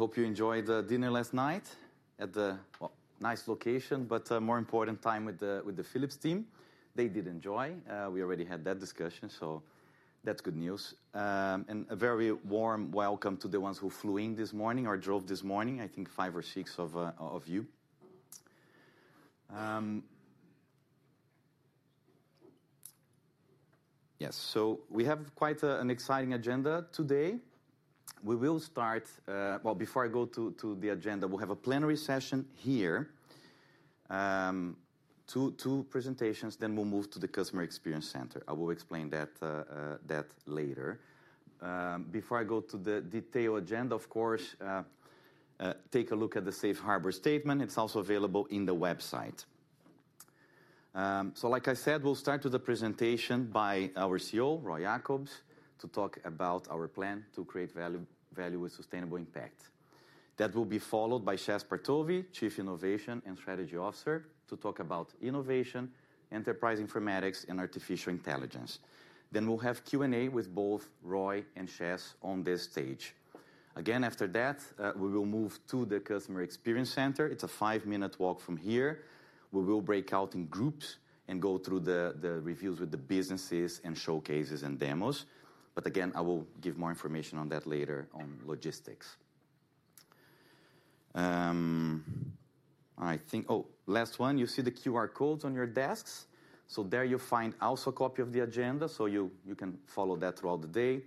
I hope you enjoyed the dinner last night at the, well, nice location, but, more important, time with the Philips team. They did enjoy. We already had that discussion, so that's good news. And a very warm welcome to the ones who flew in this morning or drove this morning, I think five or six of you. Yes, so we have quite an exciting agenda today. We will start. Well, before I go to the agenda, we'll have a plenary session here. Two presentations, then we'll move to the Customer Experience Center. I will explain that later. Before I go to the detailed agenda, of course, take a look at the Safe Harbor statement. It's also available on the website. So like I said, we'll start with the presentation by our CEO, Roy Jakobs, to talk about our plan to create value, value with sustainable impact. That will be followed by Shez Partovi, Chief Innovation and Strategy Officer, to talk about innovation, Enterprise Informatics, and artificial intelligence. Then we'll have Q&A with both Roy and Shez on this stage. Again, after that, we will move to the Customer Experience Center. It's a five-minute walk from here. We will break out in groups and go through the reviews with the businesses and showcases and demos. But again, I will give more information on that later on logistics. I think. Oh, last one. You see the QR codes on your desks, so there you find also a copy of the agenda, so you can follow that throughout the day.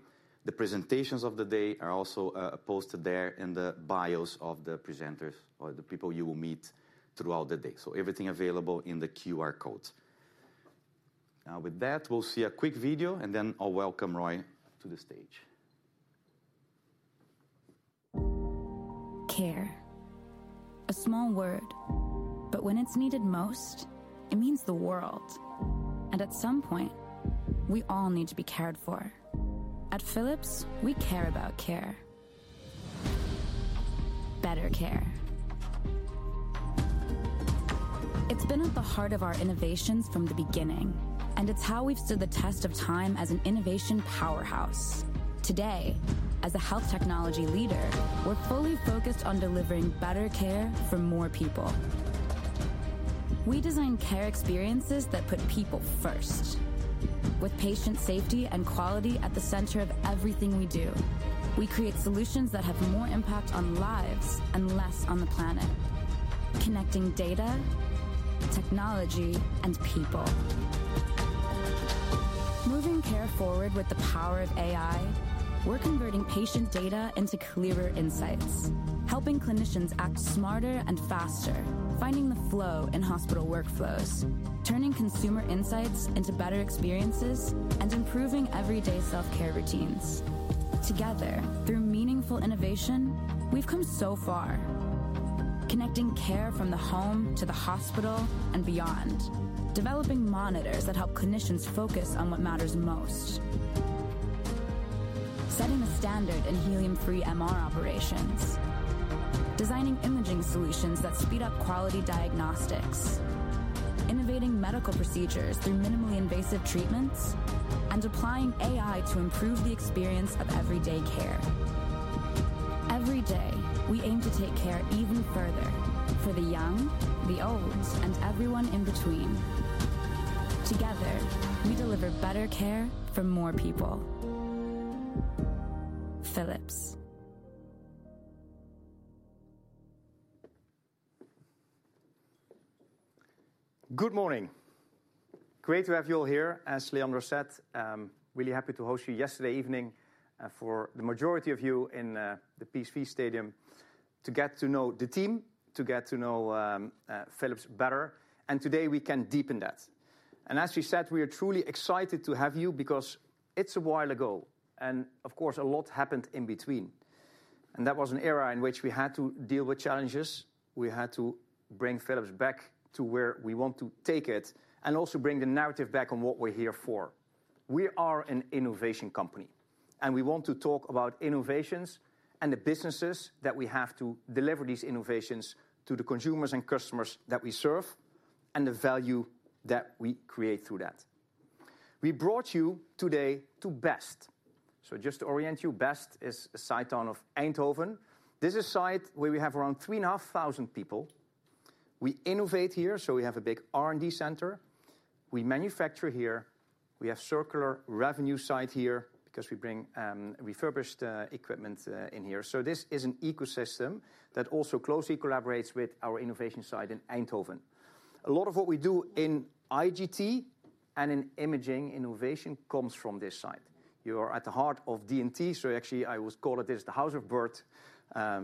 The presentations of the day are also posted there, and the bios of the presenters or the people you will meet throughout the day. So everything available in the QR codes. Now, with that, we'll see a quick video, and then I'll welcome Roy to the stage. Care, a small word, but when it's needed most, it means the world. And at some point, we all need to be cared for. At Philips, we care about care. Better care. It's been at the heart of our innovations from the beginning, and it's how we've stood the test of time as an innovation powerhouse. Today, as a health technology leader, we're fully focused on delivering better care for more people. We design care experiences that put people first. With patient safety and quality at the center of everything we do, we create solutions that have more impact on lives and less on the planet, connecting data, technology, and people. Moving care forward with the power of AI, we're converting patient data into clearer insights, helping clinicians act smarter and faster, finding the flow in hospital workflows, turning consumer insights into better experiences, and improving everyday self-care routines. Together, through meaningful innovation, we've come so far, connecting care from the home to the hospital and beyond. Developing monitors that help clinicians focus on what matters most. Setting the standard in helium-free MR operations. Designing imaging solutions that speed up quality diagnostics. Innovating medical procedures through minimally invasive treatments, and applying AI to improve the experience of everyday care. Every day, we aim to take care even further for the young, the old, and everyone in between. Together, we deliver better care for more people. Philips. Good morning! Great to have you all here. As Leandro said, I'm really happy to host you yesterday evening for the majority of you in the PSV Stadium, to get to know the team, to get to know Philips better, and today we can deepen that, and as we said, we are truly excited to have you because it's a while ago, and of course, a lot happened in between, and that was an era in which we had to deal with challenges. We had to bring Philips back to where we want to take it, and also bring the narrative back on what we're here for. We are an innovation company, and we want to talk about innovations and the businesses that we have to deliver these innovations to the consumers and customers that we serve, and the value that we create through that. We brought you today to Best. So just to orient you, Best is a side town of Eindhoven. This is a site where we have around 3,500 people. We innovate here, so we have a big R&D center. We manufacture here, we have circular revenue site here because we bring, refurbished, equipment, in here. So this is an ecosystem that also closely collaborates with our innovation site in Eindhoven. A lot of what we do in IGT and in imaging innovation comes from this site. You are at the heart of D&T, so actually, I would call it this, the House of Bert,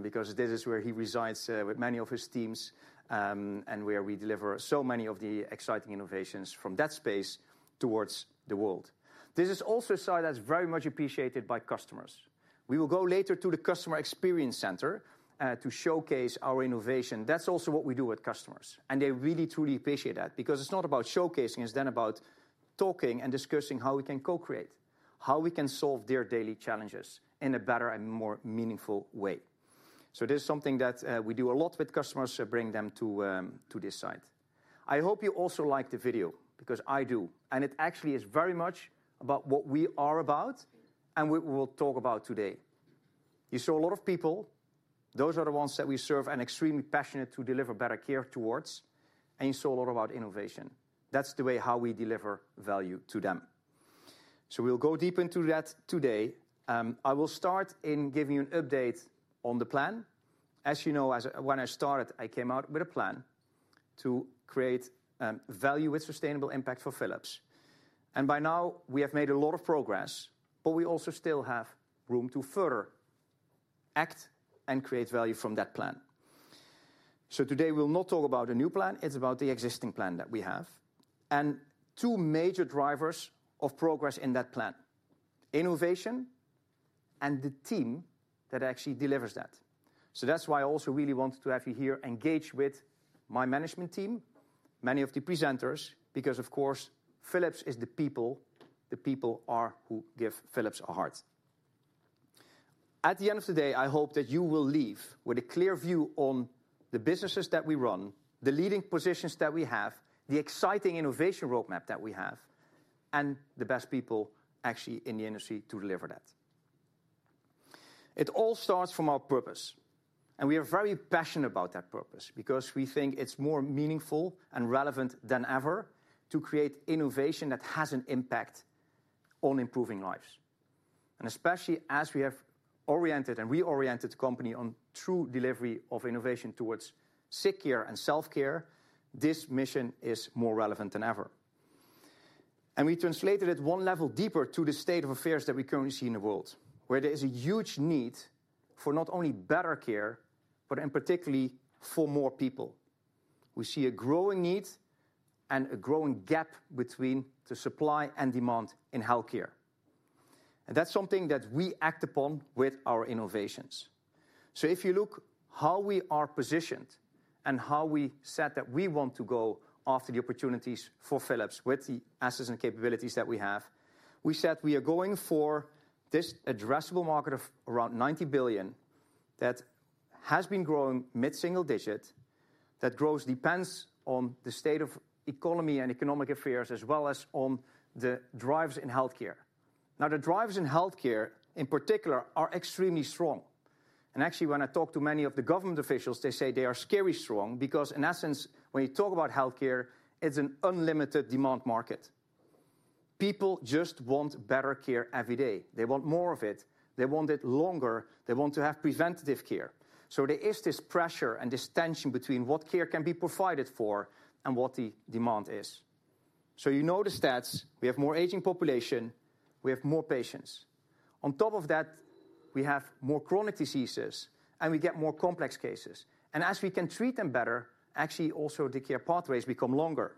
because this is where he resides, with many of his teams, and where we deliver so many of the exciting innovations from that space towards the world. This is also a site that's very much appreciated by customers. We will go later to the Customer Experience Center, to showcase our innovation. That's also what we do with customers, and they really, truly appreciate that because it's not about showcasing, it's then about talking and discussing how we can co-create, how we can solve their daily challenges in a better and more meaningful way. So this is something that, we do a lot with customers, bring them to, to this site. I hope you also like the video, because I do, and it actually is very much about what we are about and what we'll talk about today. You saw a lot of people. Those are the ones that we serve and extremely passionate to deliver better care towards, and you saw a lot about innovation. That's the way how we deliver value to them, so we'll go deep into that today. I will start in giving you an update on the plan. As you know, when I started, I came out with a plan to create value with sustainable impact for Philips, and by now, we have made a lot of progress, but we also still have room to further act and create value from that plan. Today we'll not talk about a new plan, it's about the existing plan that we have, and two major drivers of progress in that plan: innovation and the team that actually delivers that. So that's why I also really wanted to have you here engage with my management team, many of the presenters, because, of course, Philips is the people, the people are who give Philips a heart. At the end of the day, I hope that you will leave with a clear view on the businesses that we run, the leading positions that we have, the exciting innovation roadmap that we have, and the best people actually in the industry to deliver that. It all starts from our purpose, and we are very passionate about that purpose because we think it's more meaningful and relevant than ever to create innovation that has an impact on improving lives. And especially as we have oriented and reoriented the company on true delivery of innovation towards sick care and self-care, this mission is more relevant than ever. And we translated it one level deeper to the state of affairs that we currently see in the world, where there is a huge need for not only better care, but in particular for more people. We see a growing need and a growing gap between the supply and demand in healthcare. And that's something that we act upon with our innovations. So if you look how we are positioned and how we said that we want to go after the opportunities for Philips with the assets and capabilities that we have, we said we are going for this addressable market of around 90 billion, that has been growing mid-single digit. That growth depends on the state of economy and economic affairs, as well as on the drivers in healthcare. Now, the drivers in healthcare, in particular, are extremely strong, and actually, when I talk to many of the government officials, they say they are scary strong because, in essence, when you talk about healthcare, it's an unlimited demand market. People just want better care every day. They want more of it. They want it longer. They want to have preventative care, so there is this pressure and this tension between what care can be provided for and what the demand is, so you know the stats. We have more aging population, we have more patients. On top of that, we have more chronic diseases, and we get more complex cases, and as we can treat them better, actually, also, the care pathways become longer.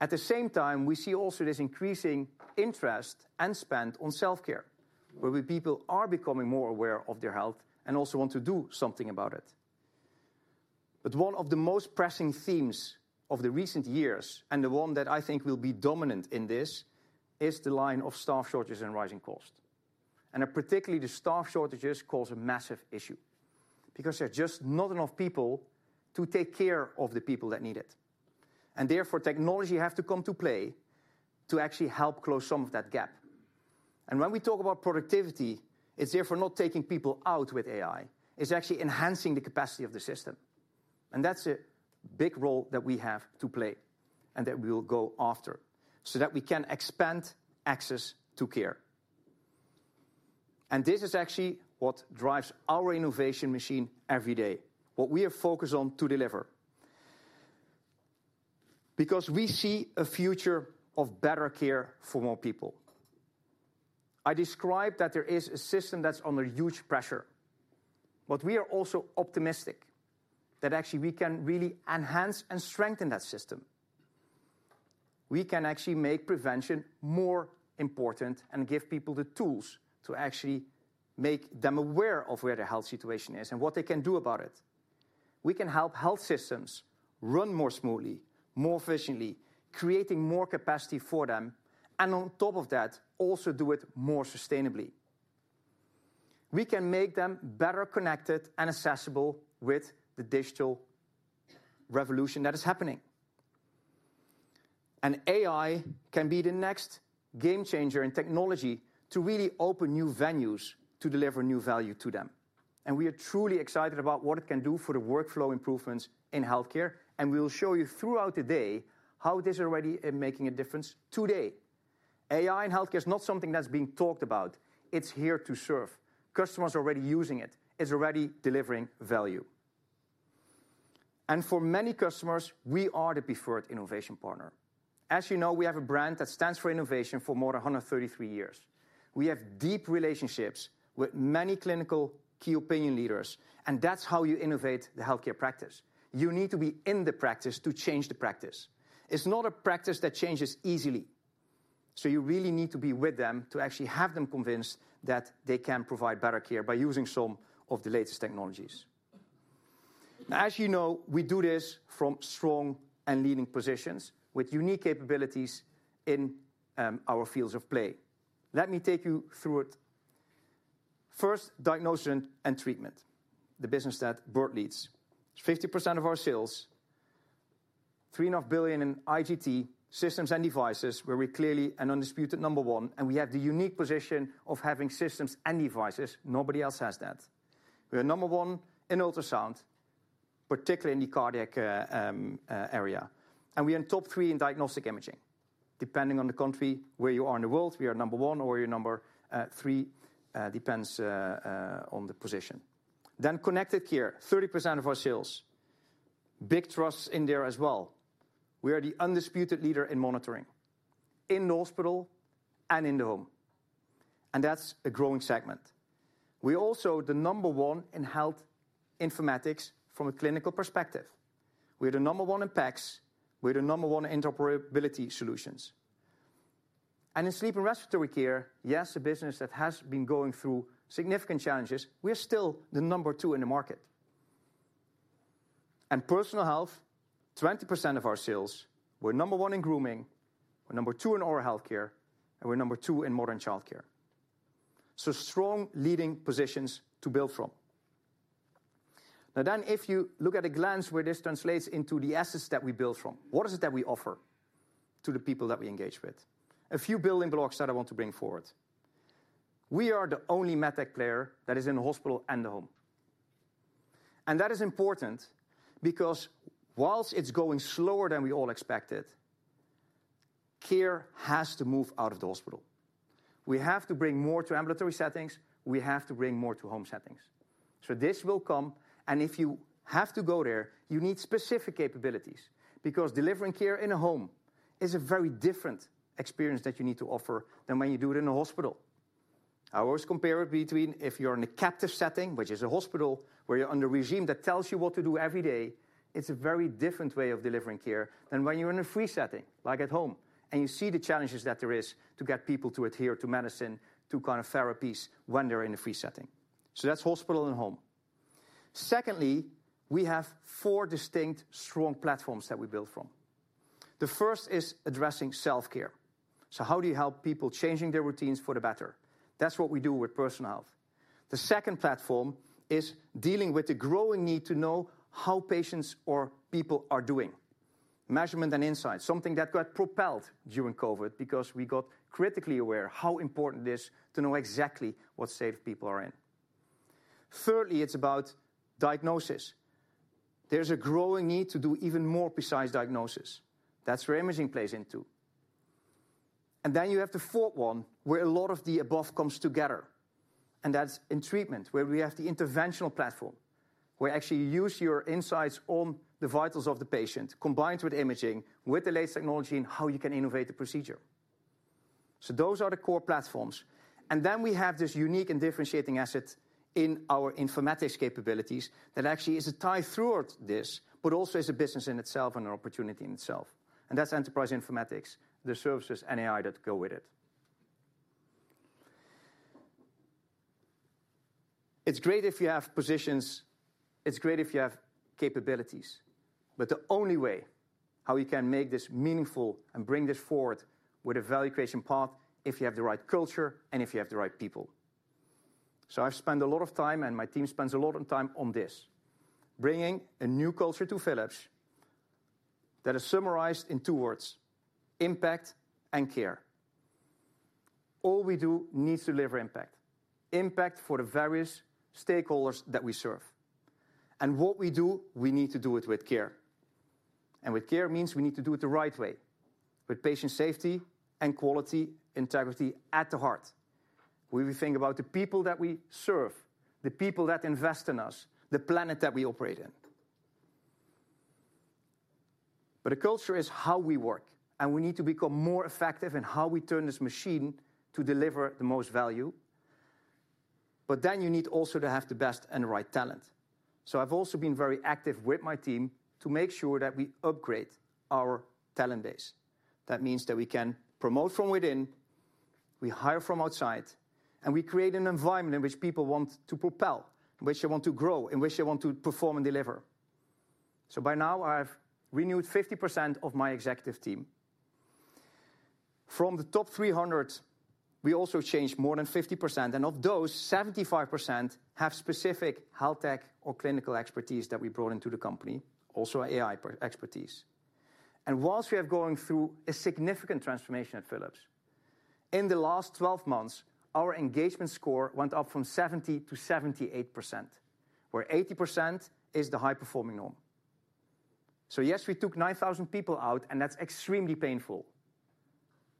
At the same time, we see also this increasing interest and spend on self-care, where people are becoming more aware of their health and also want to do something about it, but one of the most pressing themes of the recent years, and the one that I think will be dominant in this, is the line of staff shortages and rising cost, and particularly, the staff shortages cause a massive issue because there are just not enough people to take care of the people that need it, and therefore, technology have to come to play to actually help close some of that gap, and when we talk about productivity, it's therefore not taking people out with AI, it's actually enhancing the capacity of the system, and that's a big role that we have to play and that we will go after, so that we can expand access to care. This is actually what drives our innovation machine every day, what we are focused on to deliver. Because we see a future of better care for more people. I described that there is a system that's under huge pressure, but we are also optimistic that actually we can really enhance and strengthen that system. We can actually make prevention more important and give people the tools to actually make them aware of where their health situation is and what they can do about it. We can help health systems run more smoothly, more efficiently, creating more capacity for them, and on top of that, also do it more sustainably. We can make them better connected and accessible with the digital revolution that is happening. AI can be the next game changer in technology to really open new venues to deliver new value to them. We are truly excited about what it can do for the workflow improvements in healthcare, and we will show you throughout the day how this already is making a difference today. AI in healthcare is not something that's being talked about. It's here to serve. Customers are already using it. It's already delivering value. And for many customers, we are the preferred innovation partner. As you know, we have a brand that stands for innovation for more than 133 years. We have deep relationships with many clinical key opinion leaders, and that's how you innovate the healthcare practice. You need to be in the practice to change the practice. It's not a practice that changes easily, so you really need to be with them to actually have them convinced that they can provide better care by using some of the latest technologies. Now, as you know, we do this from strong and leading positions with unique capabilities in our fields of play. Let me take you through it. First, Diagnosis and Treatment, the business that Bert leads. 50% of our sales, 3.5 billion in IGT Systems and Devices, where we're clearly an undisputed number one, and we have the unique position of having Systems and Devices. Nobody else has that. We are number one in Ultrasound, particularly in the cardiac area, and we are in top three in Diagnostic Imaging. Depending on the country where you are in the world, we are number one or we are number three, depends on the position. Then Connected Care, 30% of our sales. Big trusts in there as well. We are the undisputed leader in Monitoring, in the hospital and in the home, and that's a growing segment. We're also the number one in health informatics from a clinical perspective. We're the number one in PACS. We're the number one in interoperability solutions. And in Sleep and Respiratory Care, yes, a business that has been going through significant challenges, we are still the number two in the market. And Personal Health, 20% of our sales. We're number one in grooming, we're number two in oral healthcare, and we're number two in mother and childcare. So strong leading positions to build from. Now, then, if you look at a glance where this translates into the assets that we build from, what is it that we offer to the people that we engage with? A few building blocks that I want to bring forward. We are the only MedTech player that is in the hospital and the home, and that is important because while it's going slower than we all expected, care has to move out of the hospital. We have to bring more to ambulatory settings. We have to bring more to home settings. So this will come, and if you have to go there, you need specific capabilities, because delivering care in a home is a very different experience that you need to offer than when you do it in a hospital. I always compare it between if you're in a captive setting, which is a hospital, where you're under a regime that tells you what to do every day, it's a very different way of delivering care than when you're in a free setting, like at home. And you see the challenges that there is to get people to adhere to medicine, to kind of therapies when they're in a free setting. So that's hospital and home. Secondly, we have four distinct, strong platforms that we build from. The first is addressing self-care. So how do you help people changing their routines for the better? That's what we do with Personal Health. The second platform is dealing with the growing need to know how patients or people are doing. Measurement and insight, something that got propelled during COVID because we got critically aware how important it is to know exactly what state people are in. Thirdly, it's about diagnosis. There's a growing need to do even more precise diagnosis. That's where imaging plays into. And then you have the fourth one, where a lot of the above comes together, and that's in treatment, where we have the interventional platform, where you actually use your insights on the vitals of the patient, combined with imaging, with the latest technology, and how you can innovate the procedure. So those are the core platforms. And then we have this unique and differentiating asset in our informatics capabilities that actually is a tie throughout this, but also is a business in itself and an opportunity in itself. And that's Enterprise Informatics, the services and AI that go with it. It's great if you have positions, it's great if you have capabilities, but the only way how you can make this meaningful and bring this forward with a value creation path, if you have the right culture and if you have the right people. I've spent a lot of time, and my team spends a lot of time on this, bringing a new culture to Philips that is summarized in two words: impact and care. All we do needs to deliver impact, impact for the various stakeholders that we serve. And what we do, we need to do it with care. And with care means we need to do it the right way, with patient safety and quality, integrity at the heart, where we think about the people that we serve, the people that invest in us, the planet that we operate in. But the culture is how we work, and we need to become more effective in how we turn this machine to deliver the most value. But then you need also to have the best and right talent. I've also been very active with my team to make sure that we upgrade our talent base. That means that we can promote from within, we hire from outside, and we create an environment in which people want to propel, in which they want to grow, in which they want to perform and deliver. By now, I've renewed 50% of my executive team. From the top 300, we also changed more than 50%, and of those, 75% have specific health tech or clinical expertise that we brought into the company, also AI expertise. While we are going through a significant transformation at Philips, in the last 12 months, our engagement score went up from 70 to 78%, where 80% is the high-performing norm. So yes, we took 9,000 people out, and that's extremely painful,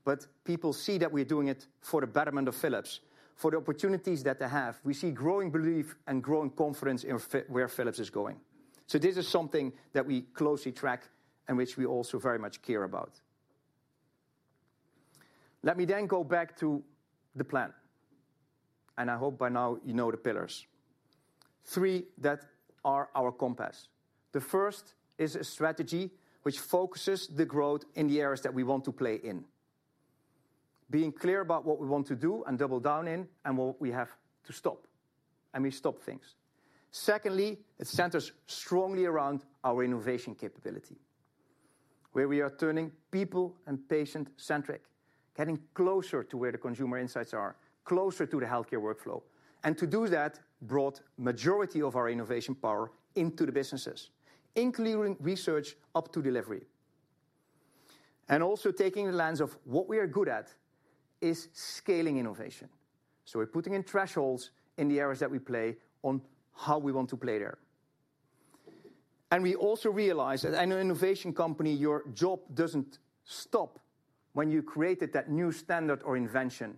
but people see that we're doing it for the betterment of Philips, for the opportunities that they have. We see growing belief and growing confidence in Philips where Philips is going. So this is something that we closely track and which we also very much care about. Let me then go back to the plan, and I hope by now you know the pillars. Three, that are our compass. The first is a strategy which focuses the growth in the areas that we want to play in. Being clear about what we want to do and double down in, and what we have to stop, and we stop things. Secondly, it centers strongly around our innovation capability. Where we are turning people and patient-centric, getting closer to where the consumer insights are, closer to the healthcare workflow. And to do that, brought majority of our innovation power into the businesses, including research up to delivery. And also taking the lens of what we are good at is scaling innovation. So we're putting in thresholds in the areas that we play on how we want to play there. And we also realize that in an innovation company, your job doesn't stop when you created that new standard or invention,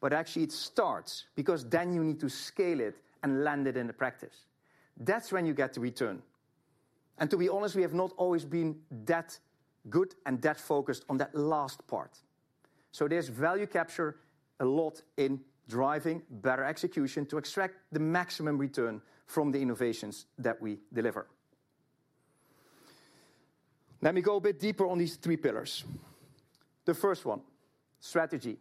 but actually it starts, because then you need to scale it and land it into practice. That's when you get the return. And to be honest, we have not always been that good and that focused on that last part. So there's value capture a lot in driving better execution to extract the maximum return from the innovations that we deliver. Let me go a bit deeper on these three pillars. The first one, strategy,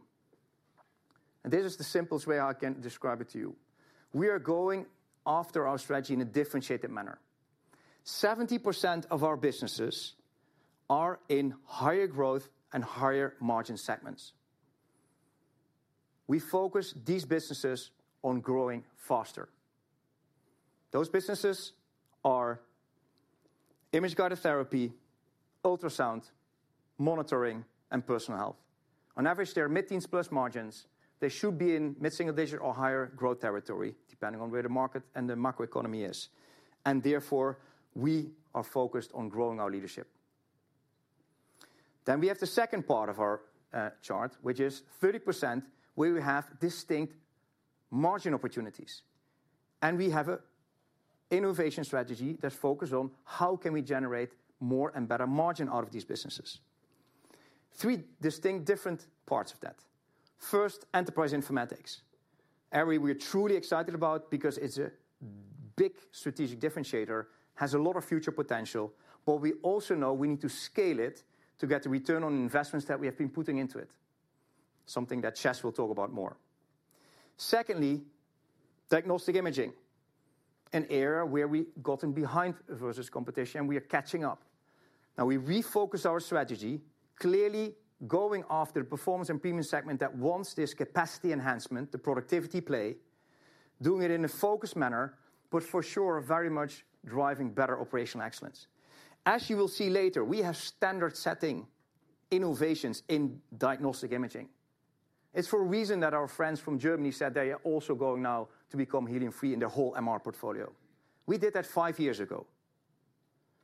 and this is the simplest way I can describe it to you. We are going after our strategy in a differentiated manner. 70% of our businesses are in higher growth and higher margin segments. We focus these businesses on growing faster. Those businesses are Image Guided Therapy, Ultrasound, Monitoring, and Personal Health. On average, they're mid-teens plus margins. They should be in mid-single digit or higher growth territory, depending on where the market and the macroeconomy is, and therefore, we are focused on growing our leadership. Then we have the second part of our chart, which is 30%, where we have distinct margin opportunities, and we have a innovation strategy that's focused on how can we generate more and better margin out of these businesses. Three distinct different parts of that. First, Enterprise Informatics. Area we're truly excited about because it's a big strategic differentiator, has a lot of future potential, but we also know we need to scale it to get the return on investments that we have been putting into it, something that Shez will talk about more. Secondly, Diagnostic Imaging, an area where we've gotten behind versus competition, we are catching up. Now, we refocused our strategy, clearly going after the performance and premium segment that wants this capacity enhancement, the productivity play, doing it in a focused manner, but for sure, very much driving better operational excellence. As you will see later, we have standard-setting innovations in Diagnostic Imaging. It's for a reason that our friends from Germany said they are also going now to become helium-free in their whole MR portfolio. We did that five years ago,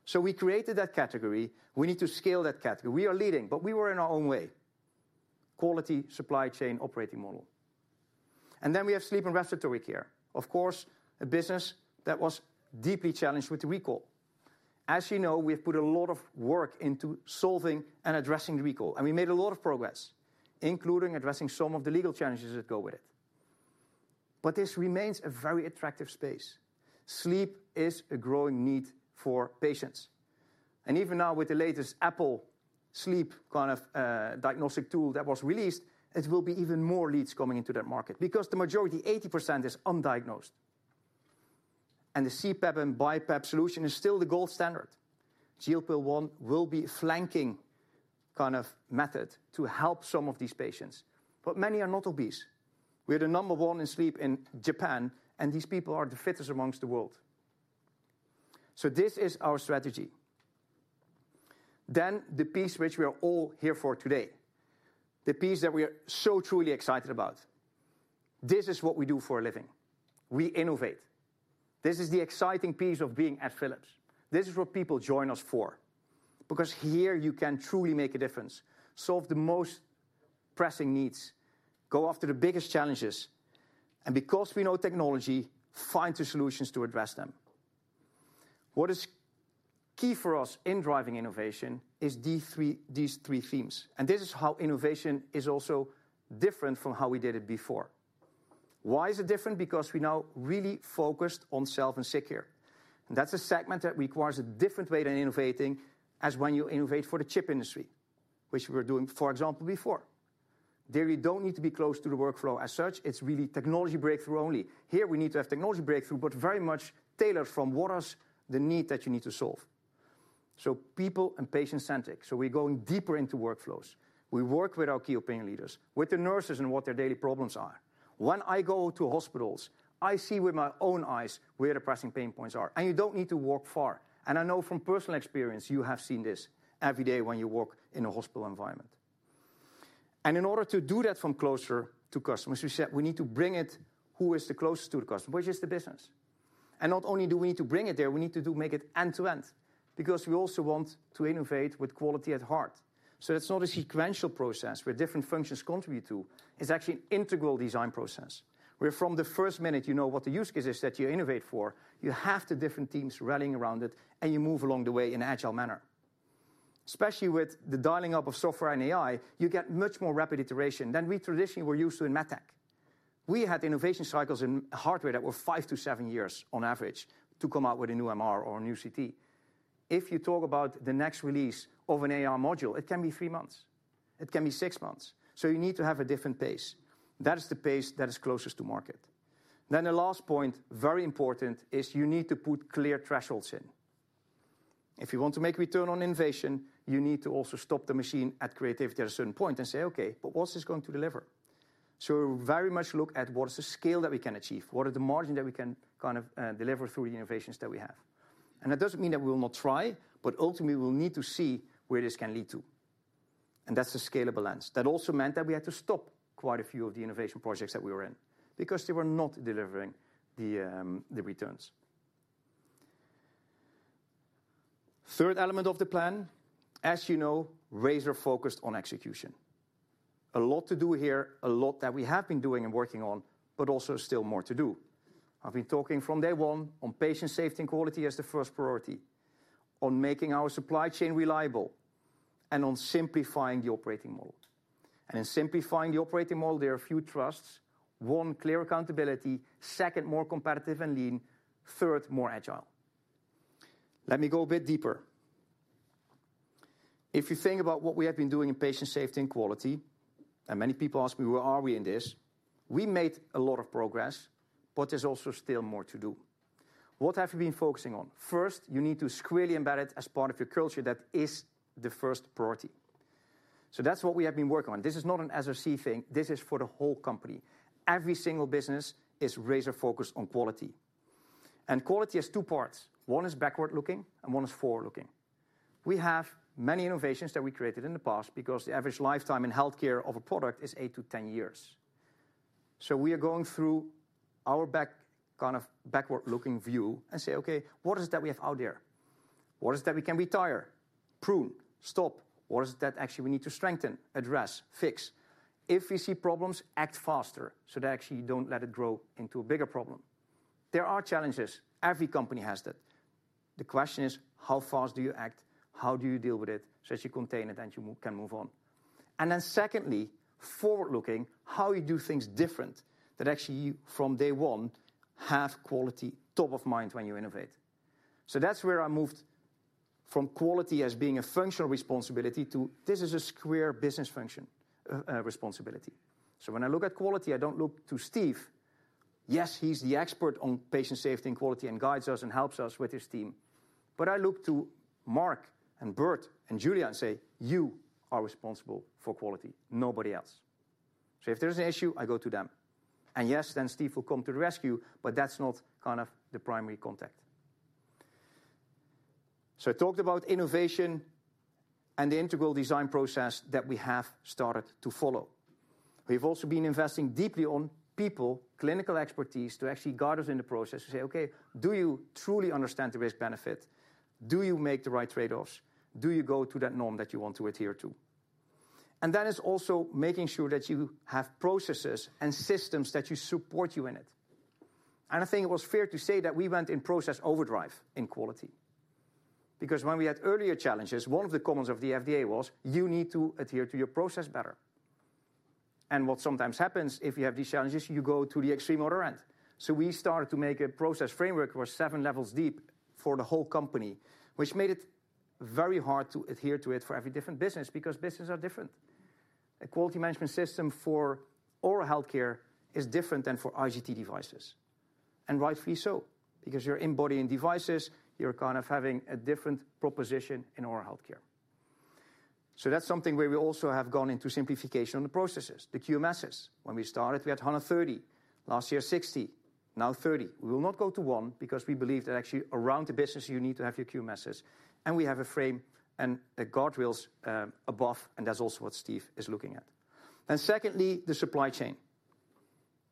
so we created that category. We need to scale that category. We are leading, but we were in our own way, quality supply chain operating model. Then we have Sleep and Respiratory Care. Of course, a business that was deeply challenged with the recall. As you know, we have put a lot of work into solving and addressing the recall, and we made a lot of progress, including addressing some of the legal challenges that go with it. But this remains a very attractive space. Sleep is a growing need for patients, and even now, with the latest Apple Sleep kind of diagnostic tool that was released, it will be even more leads coming into that market because the majority, 80%, is undiagnosed, and the CPAP and BiPAP solution is still the gold standard. GLP-1 will be a flanking kind of method to help some of these patients, but many are not obese. We're the number one in sleep in Japan, and these people are the fittest among the world. So this is our strategy. Then the piece which we are all here for today, the piece that we are so truly excited about. This is what we do for a living. We innovate. This is the exciting piece of being at Philips. This is what people join us for, because here you can truly make a difference, solve the most pressing needs, go after the biggest challenges, and because we know technology, find the solutions to address them. What is key for us in driving innovation is these three, these three themes, and this is how innovation is also different from how we did it before. Why is it different? Because we're now really focused on self and sick care, and that's a segment that requires a different way than innovating as when you innovate for the chip industry, which we were doing, for example, before. There, you don't need to be close to the workflow as such. It's really technology breakthrough only. Here, we need to have technology breakthrough, but very much tailored from what is the need that you need to solve. So people and patient-centric. So we're going deeper into workflows. We work with our key opinion leaders, with the nurses, and what their daily problems are. When I go to hospitals, I see with my own eyes where the pressing pain points are, and you don't need to walk far. And I know from personal experience, you have seen this every day when you walk in a hospital environment. In order to do that from closer to customers, we said we need to bring it who is the closest to the customer, which is the business. And not only do we need to bring it there, we need to make it end to end, because we also want to innovate with quality at heart. So it's not a sequential process where different functions contribute to. It's actually an integral design process, where from the first minute you know what the use case is that you innovate for, you have the different teams rallying around it, and you move along the way in an agile manner. Especially with the dialing up of software and AI, you get much more rapid iteration than we traditionally were used to in MedTech. We had innovation cycles in hardware that were five to seven years on average to come out with a new MR or a new CT. If you talk about the next release of an AI module, it can be three months, it can be six months. So you need to have a different pace. That is the pace that is closest to market. Then the last point, very important, is you need to put clear thresholds in. If you want to make a return on innovation, you need to also stop the machine at creativity at a certain point and say, "Okay, but what's this going to deliver?" So very much look at what is the scale that we can achieve, what are the margin that we can kind of deliver through the innovations that we have? That doesn't mean that we will not try, but ultimately we'll need to see where this can lead to, and that's the scalable lens. That also meant that we had to stop quite a few of the innovation projects that we were in because they were not delivering the returns. Third element of the plan, as you know, razor focused on execution. A lot to do here, a lot that we have been doing and working on, but also still more to do. I've been talking from day one on patient safety and quality as the first priority, on making our supply chain reliable, and on simplifying the operating model. In simplifying the operating model, there are a few trusts. One, clear accountability, second, more competitive and lean, third, more agile. Let me go a bit deeper. If you think about what we have been doing in patient safety and quality, and many people ask me, where are we in this? We made a lot of progress, but there's also still more to do. What have we been focusing on? First, you need to squarely embed it as part of your culture, that is the first priority. So that's what we have been working on. This is not an SRC thing, this is for the whole company. Every single business is razor focused on quality, and quality has two parts: one is backward-looking, and one is forward-looking. We have many innovations that we created in the past because the average lifetime in healthcare of a product is 8-to-10 years. So we are going through our backward-looking view and say, "Okay, what is it that we have out there? What is it that we can retire, prune, stop? What is it that actually we need to strengthen, address, fix?" If we see problems, act faster, so that actually you don't let it grow into a bigger problem. There are challenges. Every company has that. The question is: How fast do you act? How do you deal with it, so that you contain it, and you can move on? And then secondly, forward-looking, how you do things different, that actually you, from day one, have quality top of mind when you innovate. So that's where I moved from quality as being a functional responsibility to this is a square business function, responsibility. So when I look at quality, I don't look to Steve. Yes, he's the expert on patient safety and quality and guides us and helps us with his team, but I look to Mark and Bert and Julia and say, "You are responsible for quality, nobody else." So if there's an issue, I go to them. And yes, then Steve will come to the rescue, but that's not kind of the primary contact. I talked about innovation and the integral design process that we have started to follow. We've also been investing deeply on people, clinical expertise, to actually guide us in the process and say: "Okay, do you truly understand the risk-benefit? Do you make the right trade-offs? Do you go to that norm that you want to adhere to?" And that is also making sure that you have processes and systems that you support you in it. And I think it was fair to say that we went into process overdrive in quality, because when we had earlier challenges, one of the comments of the FDA was, "You need to adhere to your process better." And what sometimes happens if you have these challenges, you go to the extreme other end. So we started to make a process framework where seven levels deep for the whole company, which made it very hard to adhere to it for every different business, because businesses are different. A quality management system for oral healthcare is different than for IGT devices, and rightfully so, because you're implanting devices, you're kind of having a different proposition in oral healthcare. So that's something where we also have gone into simplification on the processes. The QMSs, when we started, we had 130, last year, 60, now 30. We will not go to one, because we believe that actually around the business, you need to have your QMSs, and we have a frame and the guardrails above, and that's also what Steve is looking at, and secondly, the supply chain.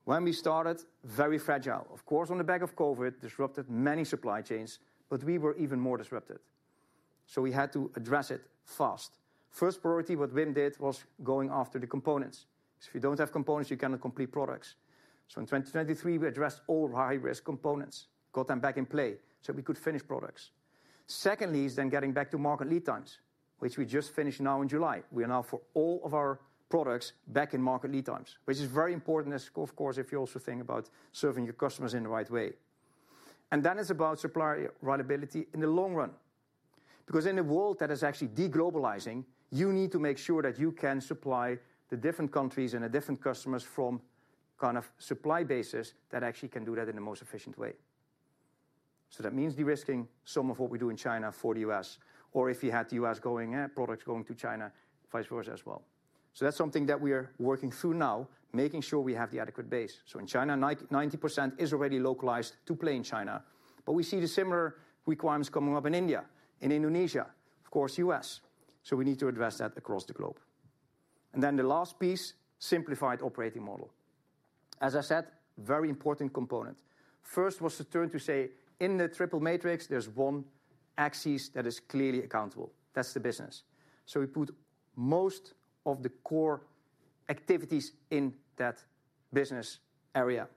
When we started, very fragile. Of course, on the back of COVID, disrupted many supply chains, but we were even more disrupted, so we had to address it fast. First priority, what Wim did was going after the components, because if you don't have components, you cannot complete products. So in 2023, we addressed all high-risk components, got them back in play, so we could finish products. Secondly, is then getting back to market lead times, which we just finished now in July. We are now for all of our products back in market lead times, which is very important as of course, if you also think about serving your customers in the right way. And that is about supplier reliability in the long run, because in a world that is actually de-globalizing, you need to make sure that you can supply the different countries and the different customers from kind of supply bases that actually can do that in the most efficient way. So that means de-risking some of what we do in China for the U.S., or if you had the U.S. going, products going to China, vice versa as well. So that's something that we are working through now, making sure we have the adequate base. So in China, 90% is already localized to play in China, but we see the similar requirements coming up in India, in Indonesia, of course, U.S. So we need to address that across the globe. And then the last piece, simplified operating model. As I said, very important component. First was to turn to say, in the triple matrix, there's one axis that is clearly accountable. That's the business. So we put most of the core activities in that business area.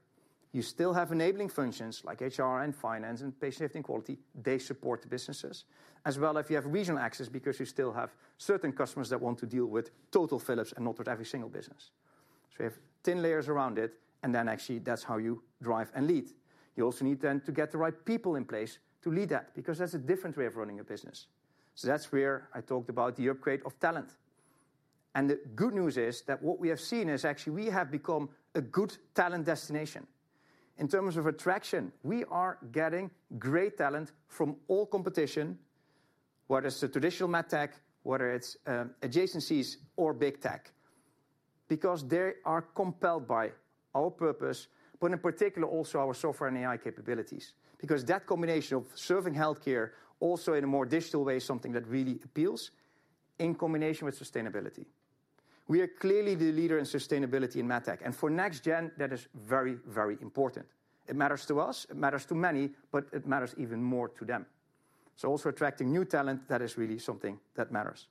You still have enabling functions like HR and finance and patient safety and quality. They support the businesses, as well if you have regional access, because you still have certain customers that want to deal with total Philips and not with every single business. So we have thin layers around it, and then actually, that's how you drive and lead. You also need then to get the right people in place to lead that, because that's a different way of running a business. So that's where I talked about the upgrade of talent. The good news is that what we have seen is actually we have become a good talent destination. In terms of attraction, we are getting great talent from all competition, whether it's the traditional MedTech, whether it's adjacencies or big tech. Because they are compelled by our purpose, but in particular also our software and AI capabilities. Because that combination of serving healthcare also in a more digital way is something that really appeals, in combination with sustainability. We are clearly the leader in sustainability in MedTech, and for next gen, that is very, very important. It matters to us, it matters to many, but it matters even more to them. So also attracting new talent, that is really something that matters.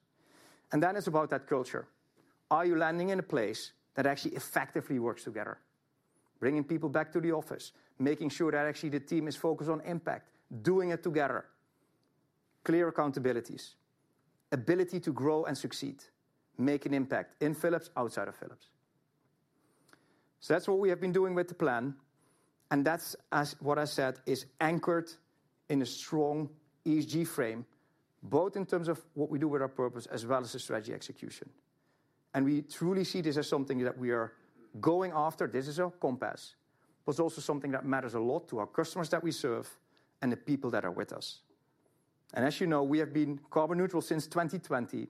Then it's about that culture. Are you landing in a place that actually effectively works together? Bringing people back to the office, making sure that actually the team is focused on impact, doing it together, clear accountabilities, ability to grow and succeed, make an impact in Philips, outside of Philips. So that's what we have been doing with the plan, and that's, as what I said, is anchored in a strong ESG frame, both in terms of what we do with our purpose as well as the strategy execution. We truly see this as something that we are going after. This is our compass, but it's also something that matters a lot to our customers that we serve and the people that are with us. As you know, we have been carbon neutral since 2020.